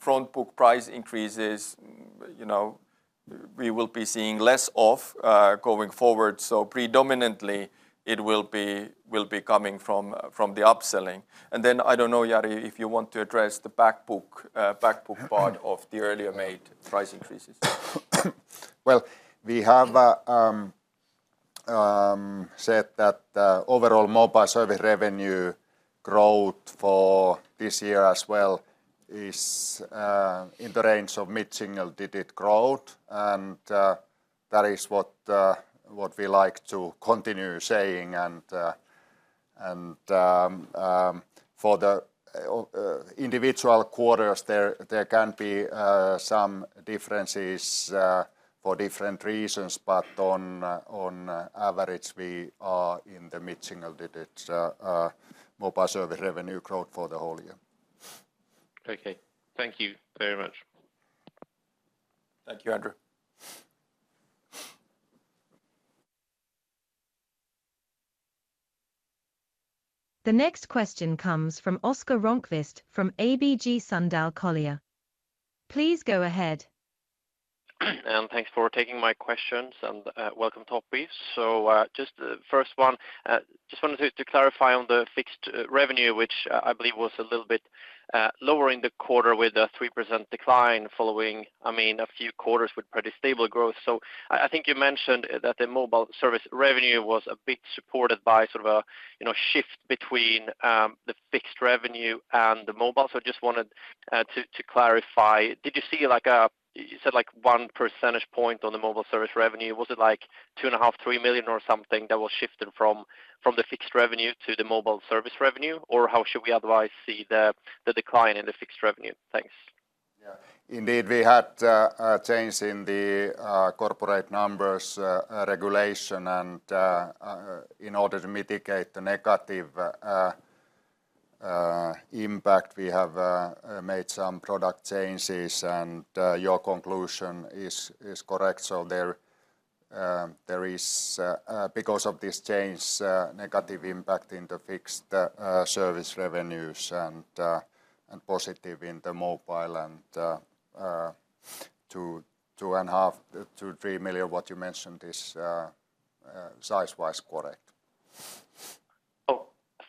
front book price increases we will be seeing less of going forward. So predominantly it will be coming from the upselling. And then I don't know Jari if you want to address the back book part of the earlier made price increases.
Well, we have said that overall mobile service revenue growth for this year as well is in the range of mid-single digit growth and that is what we like to continue saying. And for the individual quarters there can be some differences for different reasons but on average we are in the mid-single digit mobile service revenue growth for the whole year.
Okay. Thank you very much.
Thank you, Andrew.
The next question comes from Oscar Rönnkvist from ABG Sundal Collier. Please go ahead.
And thanks for taking my questions and welcome Topi. So just the first one, just wanted to clarify on the fixed revenue which I believe was a little bit lower in the quarter with a 3% decline following, I mean, a few quarters with pretty stable growth. So I think you mentioned that the mobile service revenue was a bit supported by sort of a shift between the fixed revenue and the mobile. So I just wanted to clarify. Did you see like a, you said like one percentage point on the mobile service revenue. Was it like 2.5 million-3 million or something that was shifted from the fixed revenue to the mobile service revenue or how should we otherwise see the decline in the fixed revenue? Thanks.
Yeah. Indeed we had a change in the corporate numbers regulation and in order to mitigate the negative impact we have made some product changes and your conclusion is correct. So there is, because of this change, negative impact in the fixed service revenues and positive in the mobile and EUR 2.5 million, 2 million-3 million what you mentioned is size-wise correct.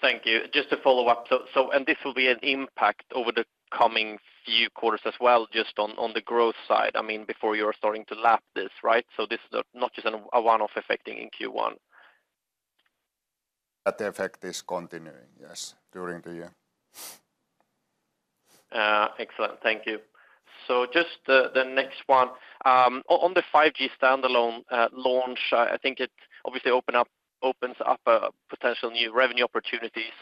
Oh, thank you. Just to follow up. So, and this will be an impact over the coming few quarters as well just on the growth side. I mean, before you are starting to lap this, right? So this is not just a one-off affecting in Q1.
That effect is continuing, yes, during the year.
Excellent. Thank you. So just the next one. On the 5G standalone launch I think it obviously opens up potential new revenue opportunities.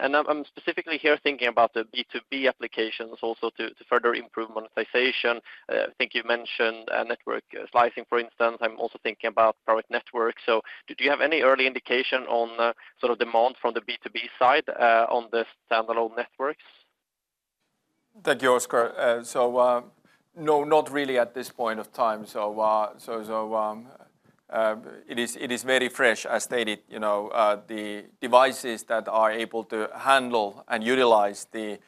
And I'm specifically here thinking about the B2B applications also to further improve monetization. I think you mentioned network slicing for instance. I'm also thinking about private networks. So do you have any early indication on sort of demand from the B2B side on the standalone networks?
Thank you, Oscar. So no, not really at this point of time. So it is very fresh. As stated, the devices that are able to handle and utilize the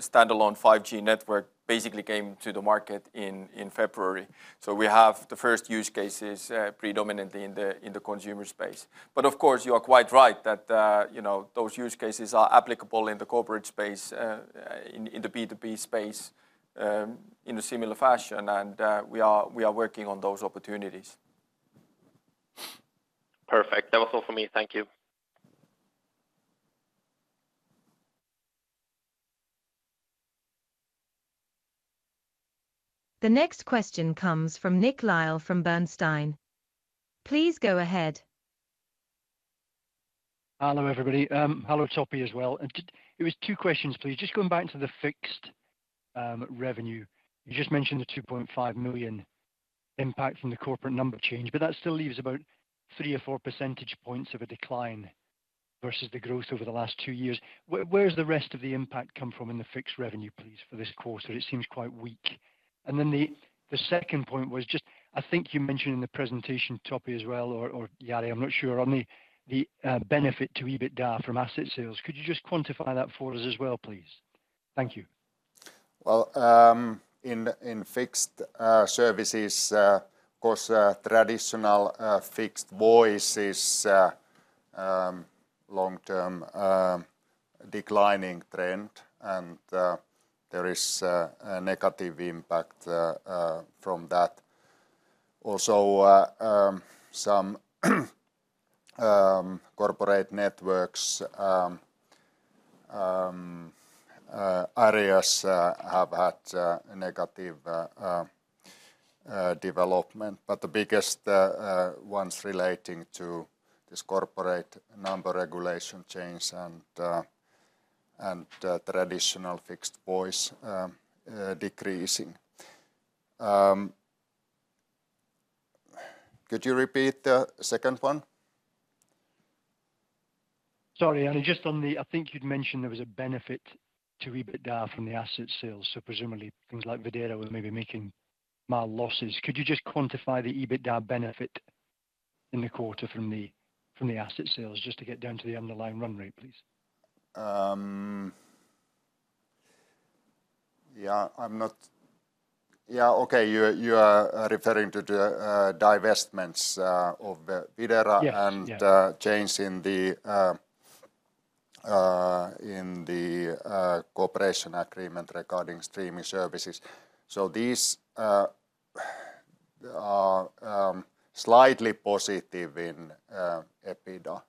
standalone 5G network basically came to the market in February. So we have the first use cases predominantly in the consumer space. But of course you are quite right that those use cases are applicable in the corporate space, in the B2B space in a similar fashion and we are working on those opportunities.
Perfect. That was all for me. Thank you.
The next question comes from Nick Lyall from Bernstein. Please go ahead.
Hello everybody. Hello Topi as well. It was two questions please. Just going back to the fixed revenue. You just mentioned the 2.5 million impact from the corporate number change but that still leaves about 3 or 4 percentage points of a decline versus the growth over the last two years. Where does the rest of the impact come from in the fixed revenue please for this quarter? It seems quite weak. And then the second point was just, I think you mentioned in the presentation Topi as well or Jari, I'm not sure, on the benefit to EBITDA from asset sales. Could you just quantify that for us as well please? Thank you.
Well, in fixed services of course traditional fixed voice is long-term declining trend and there is a negative impact from that. Also some corporate networks areas have had negative development but the biggest ones relating to this corporate number regulation change and traditional fixed voice decreasing. Could you repeat the second one?
Sorry. And just on the, I think you'd mentioned there was a benefit to EBITDA from the asset sales. So presumably things like Videra were maybe making mild losses. Could you just quantify the EBITDA benefit in the quarter from the asset sales just to get down to the underlying run rate please?
Yeah. I'm not, yeah, okay. You are referring to the divestments of Videra and change in the cooperation agreement regarding streaming services. So these are slightly positive in EBITDA.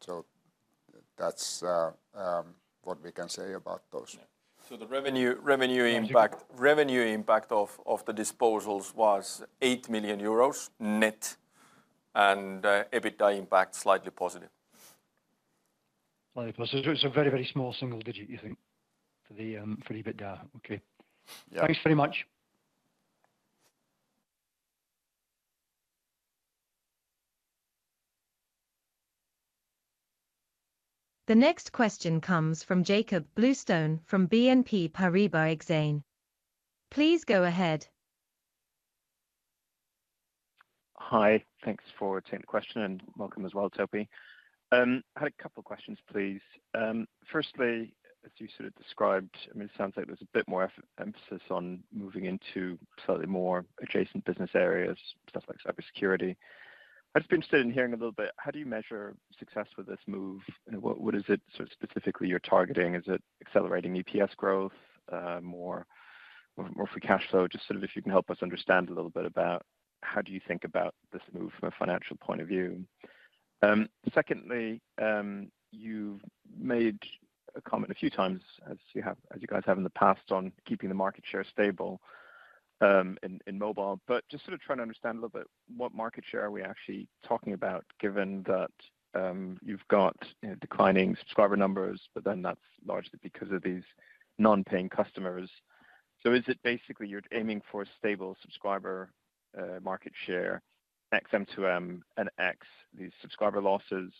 So that's what we can say about those.
So the revenue impact of the disposals was 8 million euros net and EBITDA impact slightly positive.
Slightly positive. So very, very small single digit you think for the EBITDA. Okay. Thanks very much.
The next question comes from Jakob Bluestone from BNP Paribas Exane. Please go ahead.
Hi. Thanks for taking the question and welcome as well Topi. I had a couple of questions please. Firstly, as you sort of described, I mean, it sounds like there's a bit more emphasis on moving into slightly more adjacent business areas, stuff like cybersecurity. I'd just be interested in hearing a little bit how do you measure success with this move? What is it sort of specifically you're targeting? Is it accelerating EPS growth more for cash flow? Just sort of if you can help us understand a little bit about how do you think about this move from a financial point of view? Secondly, you've made a comment a few times as you guys have in the past on keeping the market share stable in mobile. But just sort of trying to understand a little bit what market share are we actually talking about given that you've got declining subscriber numbers but then that's largely because of these non-paying customers. So is it basically you're aiming for a stable subscriber market share in M2M and IoT, these subscriber losses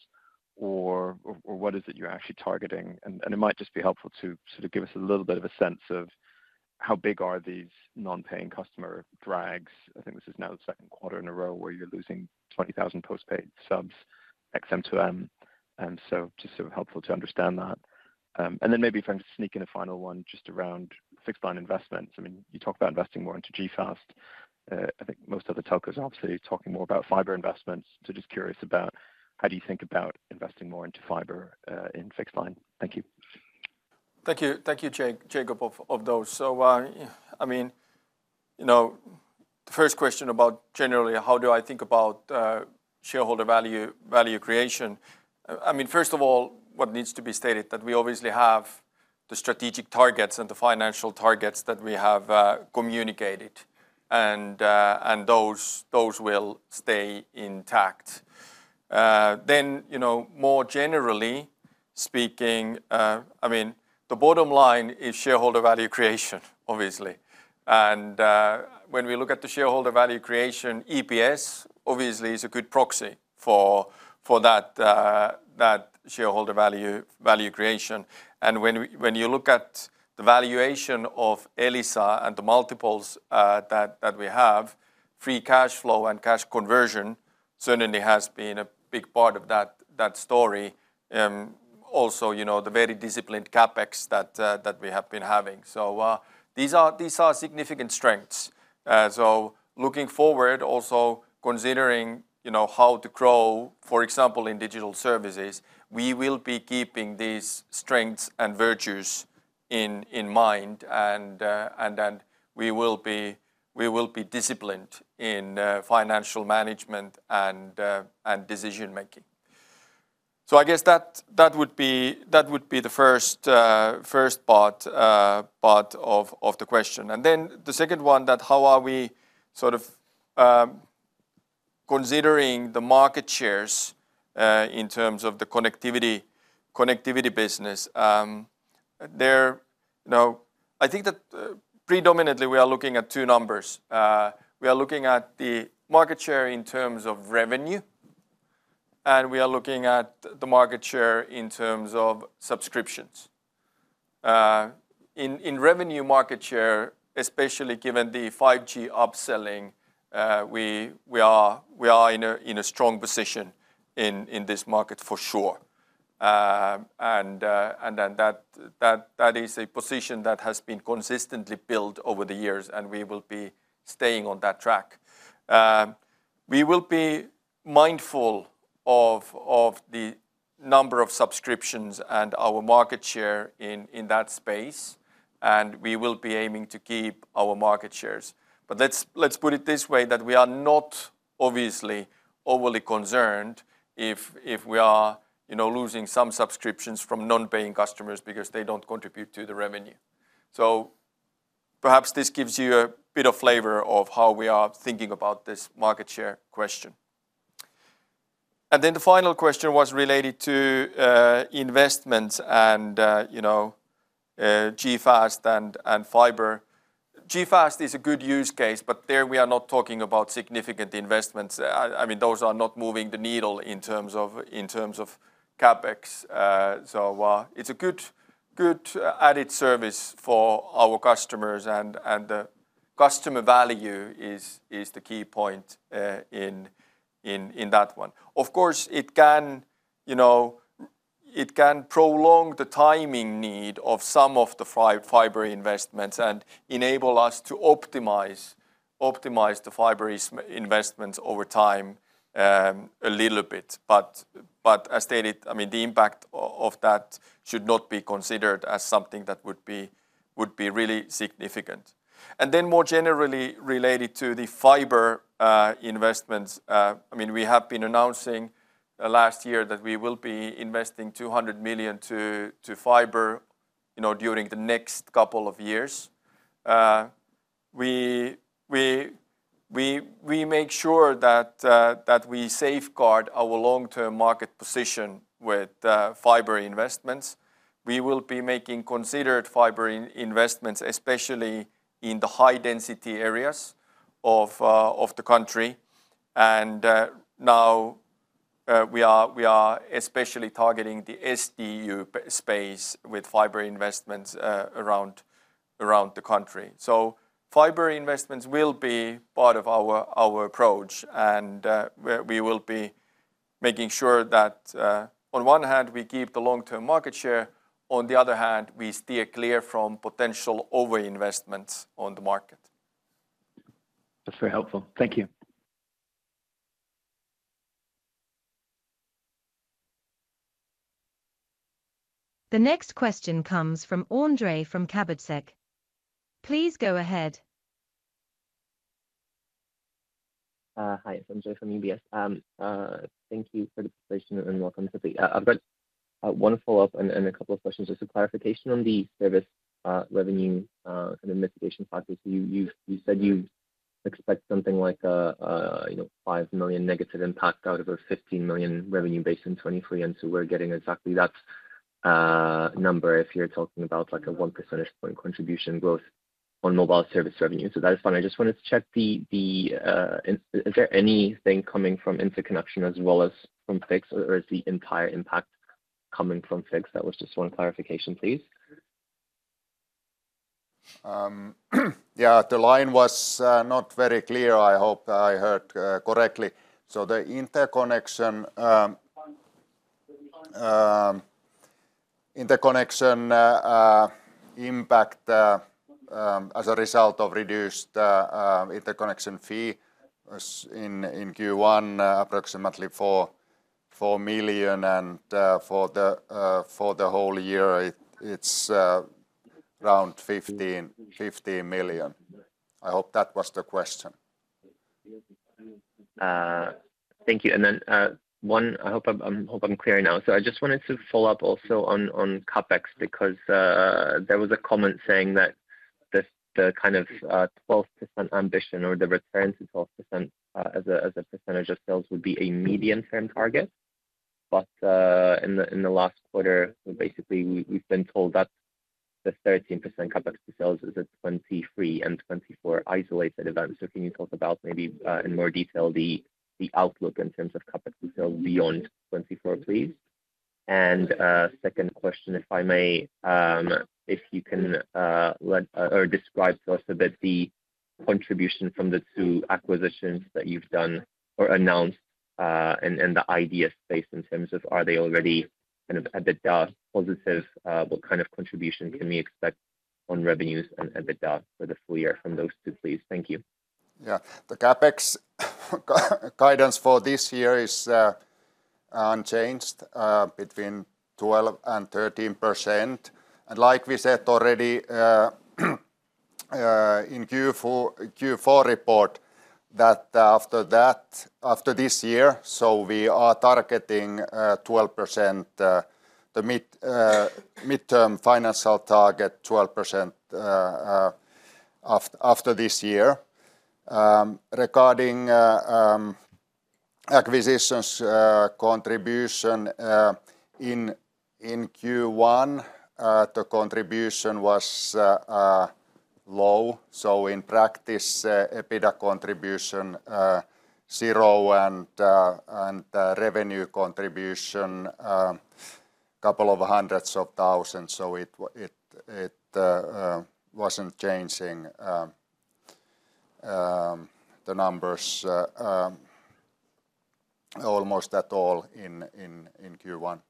or what is it you're actually targeting? And it might just be helpful to sort of give us a little bit of a sense of how big are these non-paying customer drags? I think this is now the second quarter in a row where you're losing 20,000 postpaid subs in M2M. So just sort of helpful to understand that. And then maybe if I can just sneak in a final one just around fixed line investments. I mean, you talk about investing more into G.fast. I think most other telcos are obviously talking more about fiber investments. So just curious about how do you think about investing more into fiber in fixed line? Thank you.
Thank you. Thank you, Jakob, of those. So I mean, the first question about generally how do I think about shareholder value creation? I mean, first of all, what needs to be stated that we obviously have the strategic targets and the financial targets that we have communicated and those will stay intact. Then more generally speaking, I mean, the bottom line is shareholder value creation obviously. And when we look at the shareholder value creation, EPS obviously is a good proxy for that shareholder value creation. And when you look at the valuation of Elisa and the multiples that we have, free cash flow and cash conversion certainly has been a big part of that story. Also the very disciplined CapEx that we have been having. So these are significant strengths. So looking forward also considering how to grow, for example, in Digital Services, we will be keeping these strengths and virtues in mind and we will be disciplined in financial management and decision-making. So I guess that would be the first part of the question. And then the second one that how are we sort of considering the market shares in terms of the connectivity business? I think that predominantly we are looking at two numbers. We are looking at the market share in terms of revenue and we are looking at the market share in terms of subscriptions. In revenue market share, especially given the 5G upselling, we are in a strong position in this market for sure. And then that is a position that has been consistently built over the years and we will be staying on that track. We will be mindful of the number of subscriptions and our market share in that space and we will be aiming to keep our market shares. But let's put it this way that we are not obviously overly concerned if we are losing some subscriptions from non-paying customers because they don't contribute to the revenue. So perhaps this gives you a bit of flavor of how we are thinking about this market share question. And then the final question was related to investments and G.fast and fiber. G.fast is a good use case but there we are not talking about significant investments. I mean, those are not moving the needle in terms of CapEx. So it's a good added service for our customers and the customer value is the key point in that one. Of course, it can prolong the timing need of some of the fiber investments and enable us to optimize the fiber investments over time a little bit. But as stated, I mean, the impact of that should not be considered as something that would be really significant. And then more generally related to the fiber investments, I mean, we have been announcing last year that we will be investing 200 million to fiber during the next couple of years. We make sure that we safeguard our long-term market position with fiber investments. We will be making considered fiber investments especially in the high-density areas of the country. And now we are especially targeting the SDU space with fiber investments around the country. So fiber investments will be part of our approach and we will be making sure that on one hand we keep the long-term market share, on the other hand we steer clear from potential overinvestments on the market.
That's very helpful. Thank you.
The next question comes from Andreas from Carnegie. Please go ahead.
Hi. It's Andreas from Carnegie. Thank you for the presentation and welcome Topi. I've got one follow-up and a couple of questions. Just a clarification on the service revenue kind of mitigation factors. So you said you expect something like a -5 million impact out of a 15 million revenue base in 2023 and so we're getting exactly that number if you're talking about a one percentage point contribution growth on mobile service revenue. So that is one. I just wanted to check the, is there anything coming from interconnection as well as from fixed or is the entire impact coming from fixed? That was just one clarification please.
Yeah. The line was not very clear. I hope I heard correctly. So the interconnection impact as a result of reduced interconnection fee was in Q1 approximately 4 million and for the whole year it's around 15 million. I hope that was the question.
Thank you. And then one, I hope I'm clear now. So I just wanted to follow up also on CapEx because there was a comment saying that the kind of 12% ambition or the return to 12% as a percentage of sales would be a medium-term target. But in the last quarter basically we've been told that the 13% CapEx to sales is at 2023 and 2024 isolated events. So can you talk about maybe in more detail the outlook in terms of CapEx to sales beyond 2024 please? And second question if I may, if you can describe to us a bit the contribution from the two acquisitions that you've done or announced and the IDS space in terms of are they already kind of EBITDA positive? What kind of contribution can we expect on revenues and EBITDA for the full year from those two please? Thank you.
Yeah. The CapEx guidance for this year is unchanged between 12%-13%. And like we said already in Q4 report that after this year, so we are targeting 12%, the mid-term financial target 12% after this year. Regarding acquisitions contribution in Q1, the contribution was low. So in practice, EBITDA contribution zero and revenue contribution a couple of hundreds of thousands EUR. So it wasn't changing the numbers almost at all in Q1.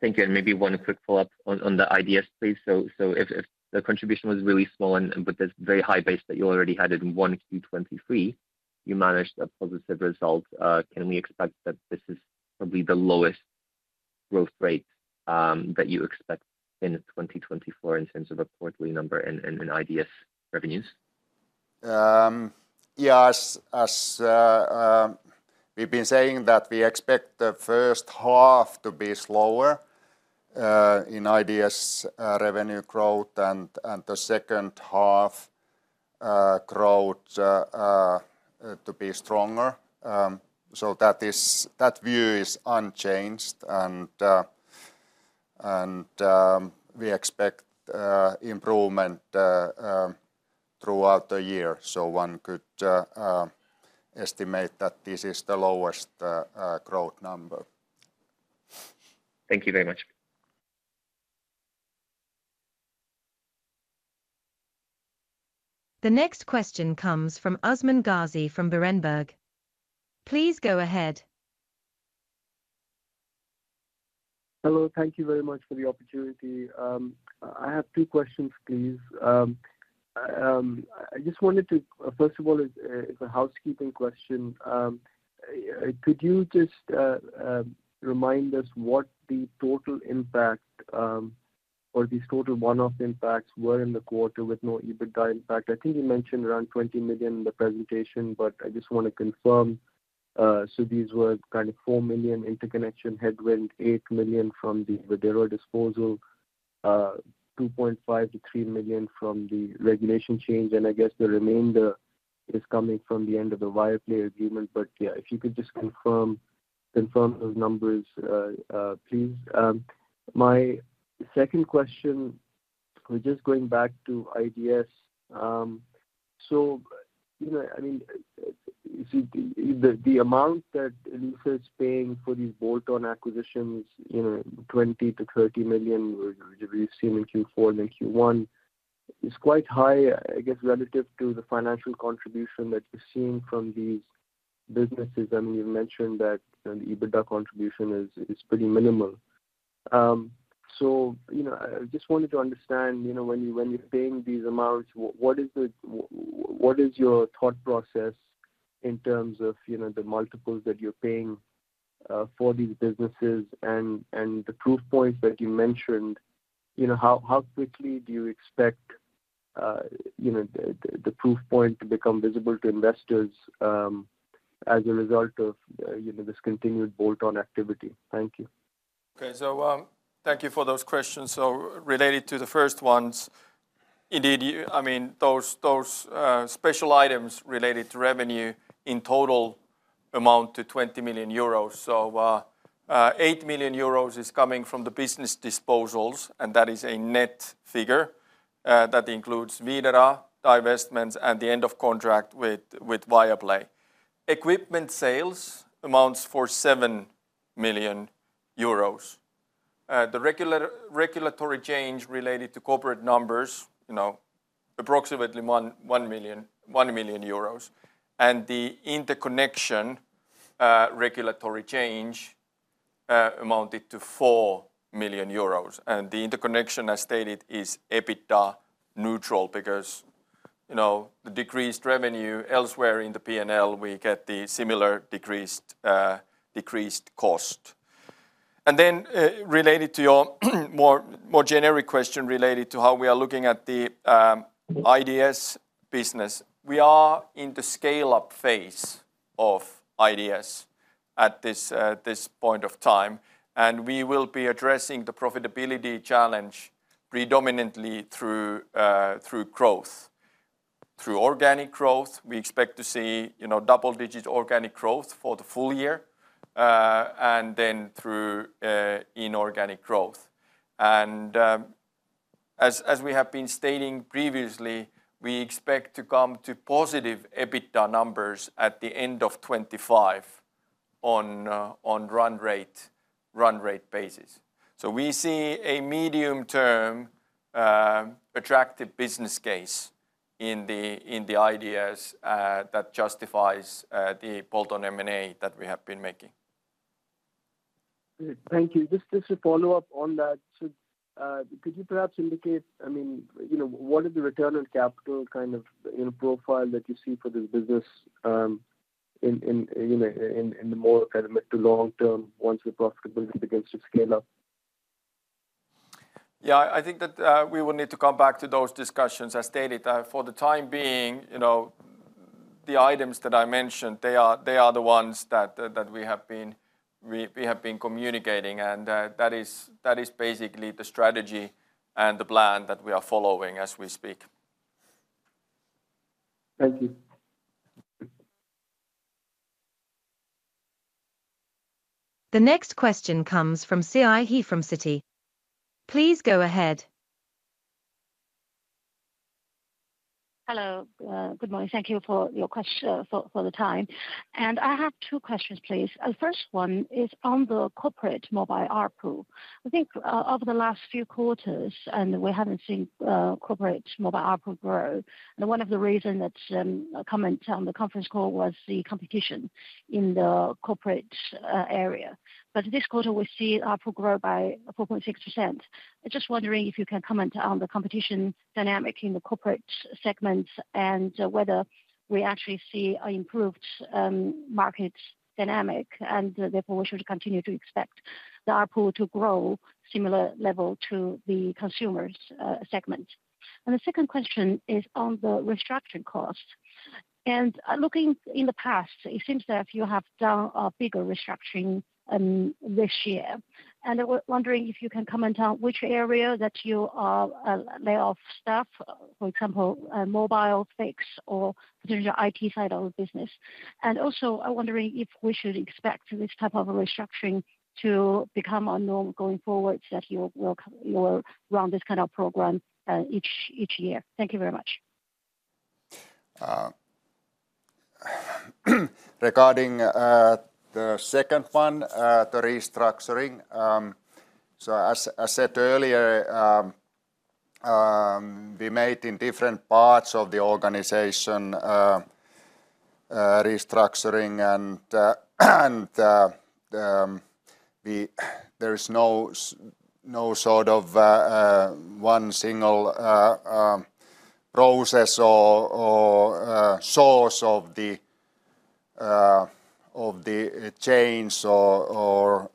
Thank you. Maybe one quick follow-up on the IDS please. So if the contribution was really small but there's very high base that you already had in 1Q 2023, you managed a positive result. Can we expect that this is probably the lowest growth rate that you expect in 2024 in terms of a quarterly number in IDS revenues?
Yeah. As we've been saying that we expect the first half to be slower in IDS revenue growth and the second half growth to be stronger. So that view is unchanged and we expect improvement throughout the year. So one could estimate that this is the lowest growth number.
Thank you very much.
The next question comes from Usman Ghazi from Berenberg. Please go ahead.
Hello. Thank you very much for the opportunity. I have two questions please. I just wanted to, first of all, it's a housekeeping question. Could you just remind us what the total impact or these total one-off impacts were in the quarter with no EBITDA impact? I think you mentioned around 20 million in the presentation but I just want to confirm. So these were kind of 4 million interconnection headwind, 8 million from the Videra disposal, 2.5 million-3 million from the regulation change. And I guess the remainder is coming from the end of the Viaplay agreement. But yeah, if you could just confirm those numbers please. My second question, just going back to IndustrIQ. So I mean, the amount that Elisa is paying for these bolt-on acquisitions, 20 million-30 million we've seen in Q4 and then Q1, is quite high I guess relative to the financial contribution that you're seeing from these businesses. I mean, you've mentioned that the EBITDA contribution is pretty minimal. So I just wanted to understand when you're paying these amounts, what is your thought process in terms of the multiples that you're paying for these businesses and the proof points that you mentioned? How quickly do you expect the proof point to become visible to investors as a result of this continued bolt-on activity? Thank you.
Okay. So thank you for those questions. So related to the first ones, indeed, I mean, those special items related to revenue in total amount to 20 million euros. So 8 million euros is coming from the business disposals and that is a net figure that includes Videra, divestments, and the end of contract with Viaplay. Equipment sales amounts for 7 million euros. The regulatory change related to corporate numbers, approximately EUR 1 million. The interconnection regulatory change amounted to 4 million euros. The interconnection, as stated, is EBITDA neutral because the decreased revenue elsewhere in the P&L, we get the similar decreased cost. Then related to your more generic question related to how we are looking at the IndustrIQ business, we are in the scale-up phase of IndustrIQ at this point of time. We will be addressing the profitability challenge predominantly through growth, through organic growth. We expect to see double-digit organic growth for the full year and then through inorganic growth. As we have been stating previously, we expect to come to positive EBITDA numbers at the end of 2025 on run-rate basis. We see a medium-term attractive business case in the IndustrIQ that justifies the bolt-on M&A that we have been making.
Great. Thank you. Just a follow-up on that. So could you perhaps indicate, I mean, what is the return on capital kind of profile that you see for this business in the more kind of mid- to long-term once the profitability begins to scale up?
Yeah. I think that we will need to come back to those discussions. As stated, for the time being, the items that I mentioned, they are the ones that we have been communicating and that is basically the strategy and the plan that we are following as we speak.
Thank you.
The next question comes from Siyi He from Citi. Please go ahead.
Hello. Good morning. Thank you for the time. And I have two questions please. The first one is on the corporate mobile ARPU. I think over the last few quarters and we haven't seen corporate mobile ARPU grow. One of the reasons that comment on the conference call was the competition in the corporate area. But this quarter we see ARPU grow by 4.6%. I'm just wondering if you can comment on the competition dynamic in the Corporate segments and whether we actually see an improved market dynamic and therefore we should continue to expect the ARPU to grow similar level to the Consumers segment. The second question is on the restructuring cost. Looking in the past, it seems that you have done a bigger restructuring this year. I was wondering if you can comment on which area that you are laying off staff, for example, mobile, fixed or potential IT side of the business. And also, I'm wondering if we should expect this type of a restructuring to become a norm going forwards, that you will run this kind of program each year. Thank you very much.
Regarding the second one, the restructuring. So, as said earlier, we made in different parts of the organization restructuring and there is no sort of one single process or source of the change or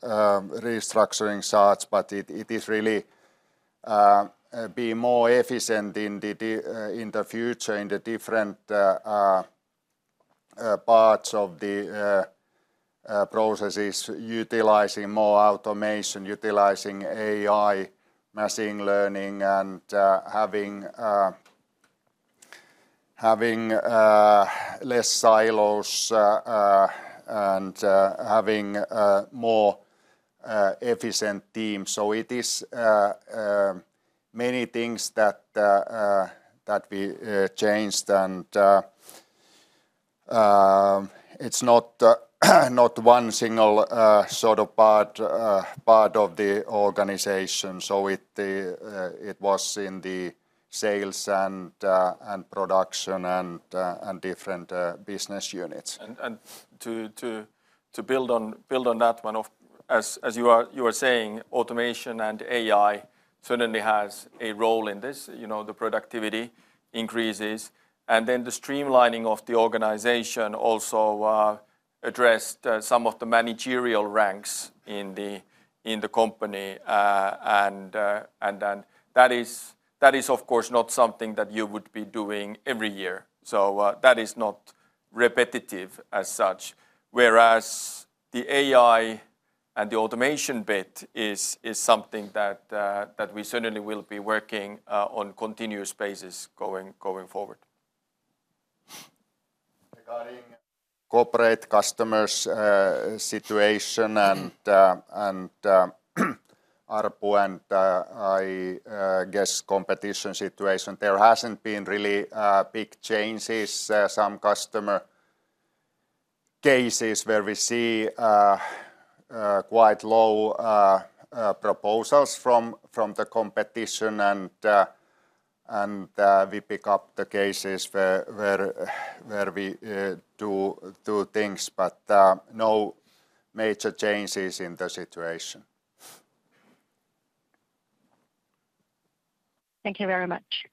restructuring such, but it is really to be more efficient in the future in the different parts of the processes, utilizing more automation, utilizing AI, machine learning, and having less silos and having more efficient teams. So it is many things that we changed and it's not one single sort of part of the organization. So it was in the sales and production and different business units. And to build on that one, as you were saying, automation and AI certainly has a role in this. The productivity increases. And then the streamlining of the organization also addressed some of the managerial ranks in the company. And that is, of course, not something that you would be doing every year. So that is not repetitive as such. Whereas the AI and the automation bit is something that we certainly will be working on continuous basis going forward.
Regarding corporate customers situation and ARPU and I guess competition situation, there hasn't been really big changes. Some customer cases where we see quite low proposals from the competition and we pick up the cases where we do things but no major changes in the situation.
Thank you very much.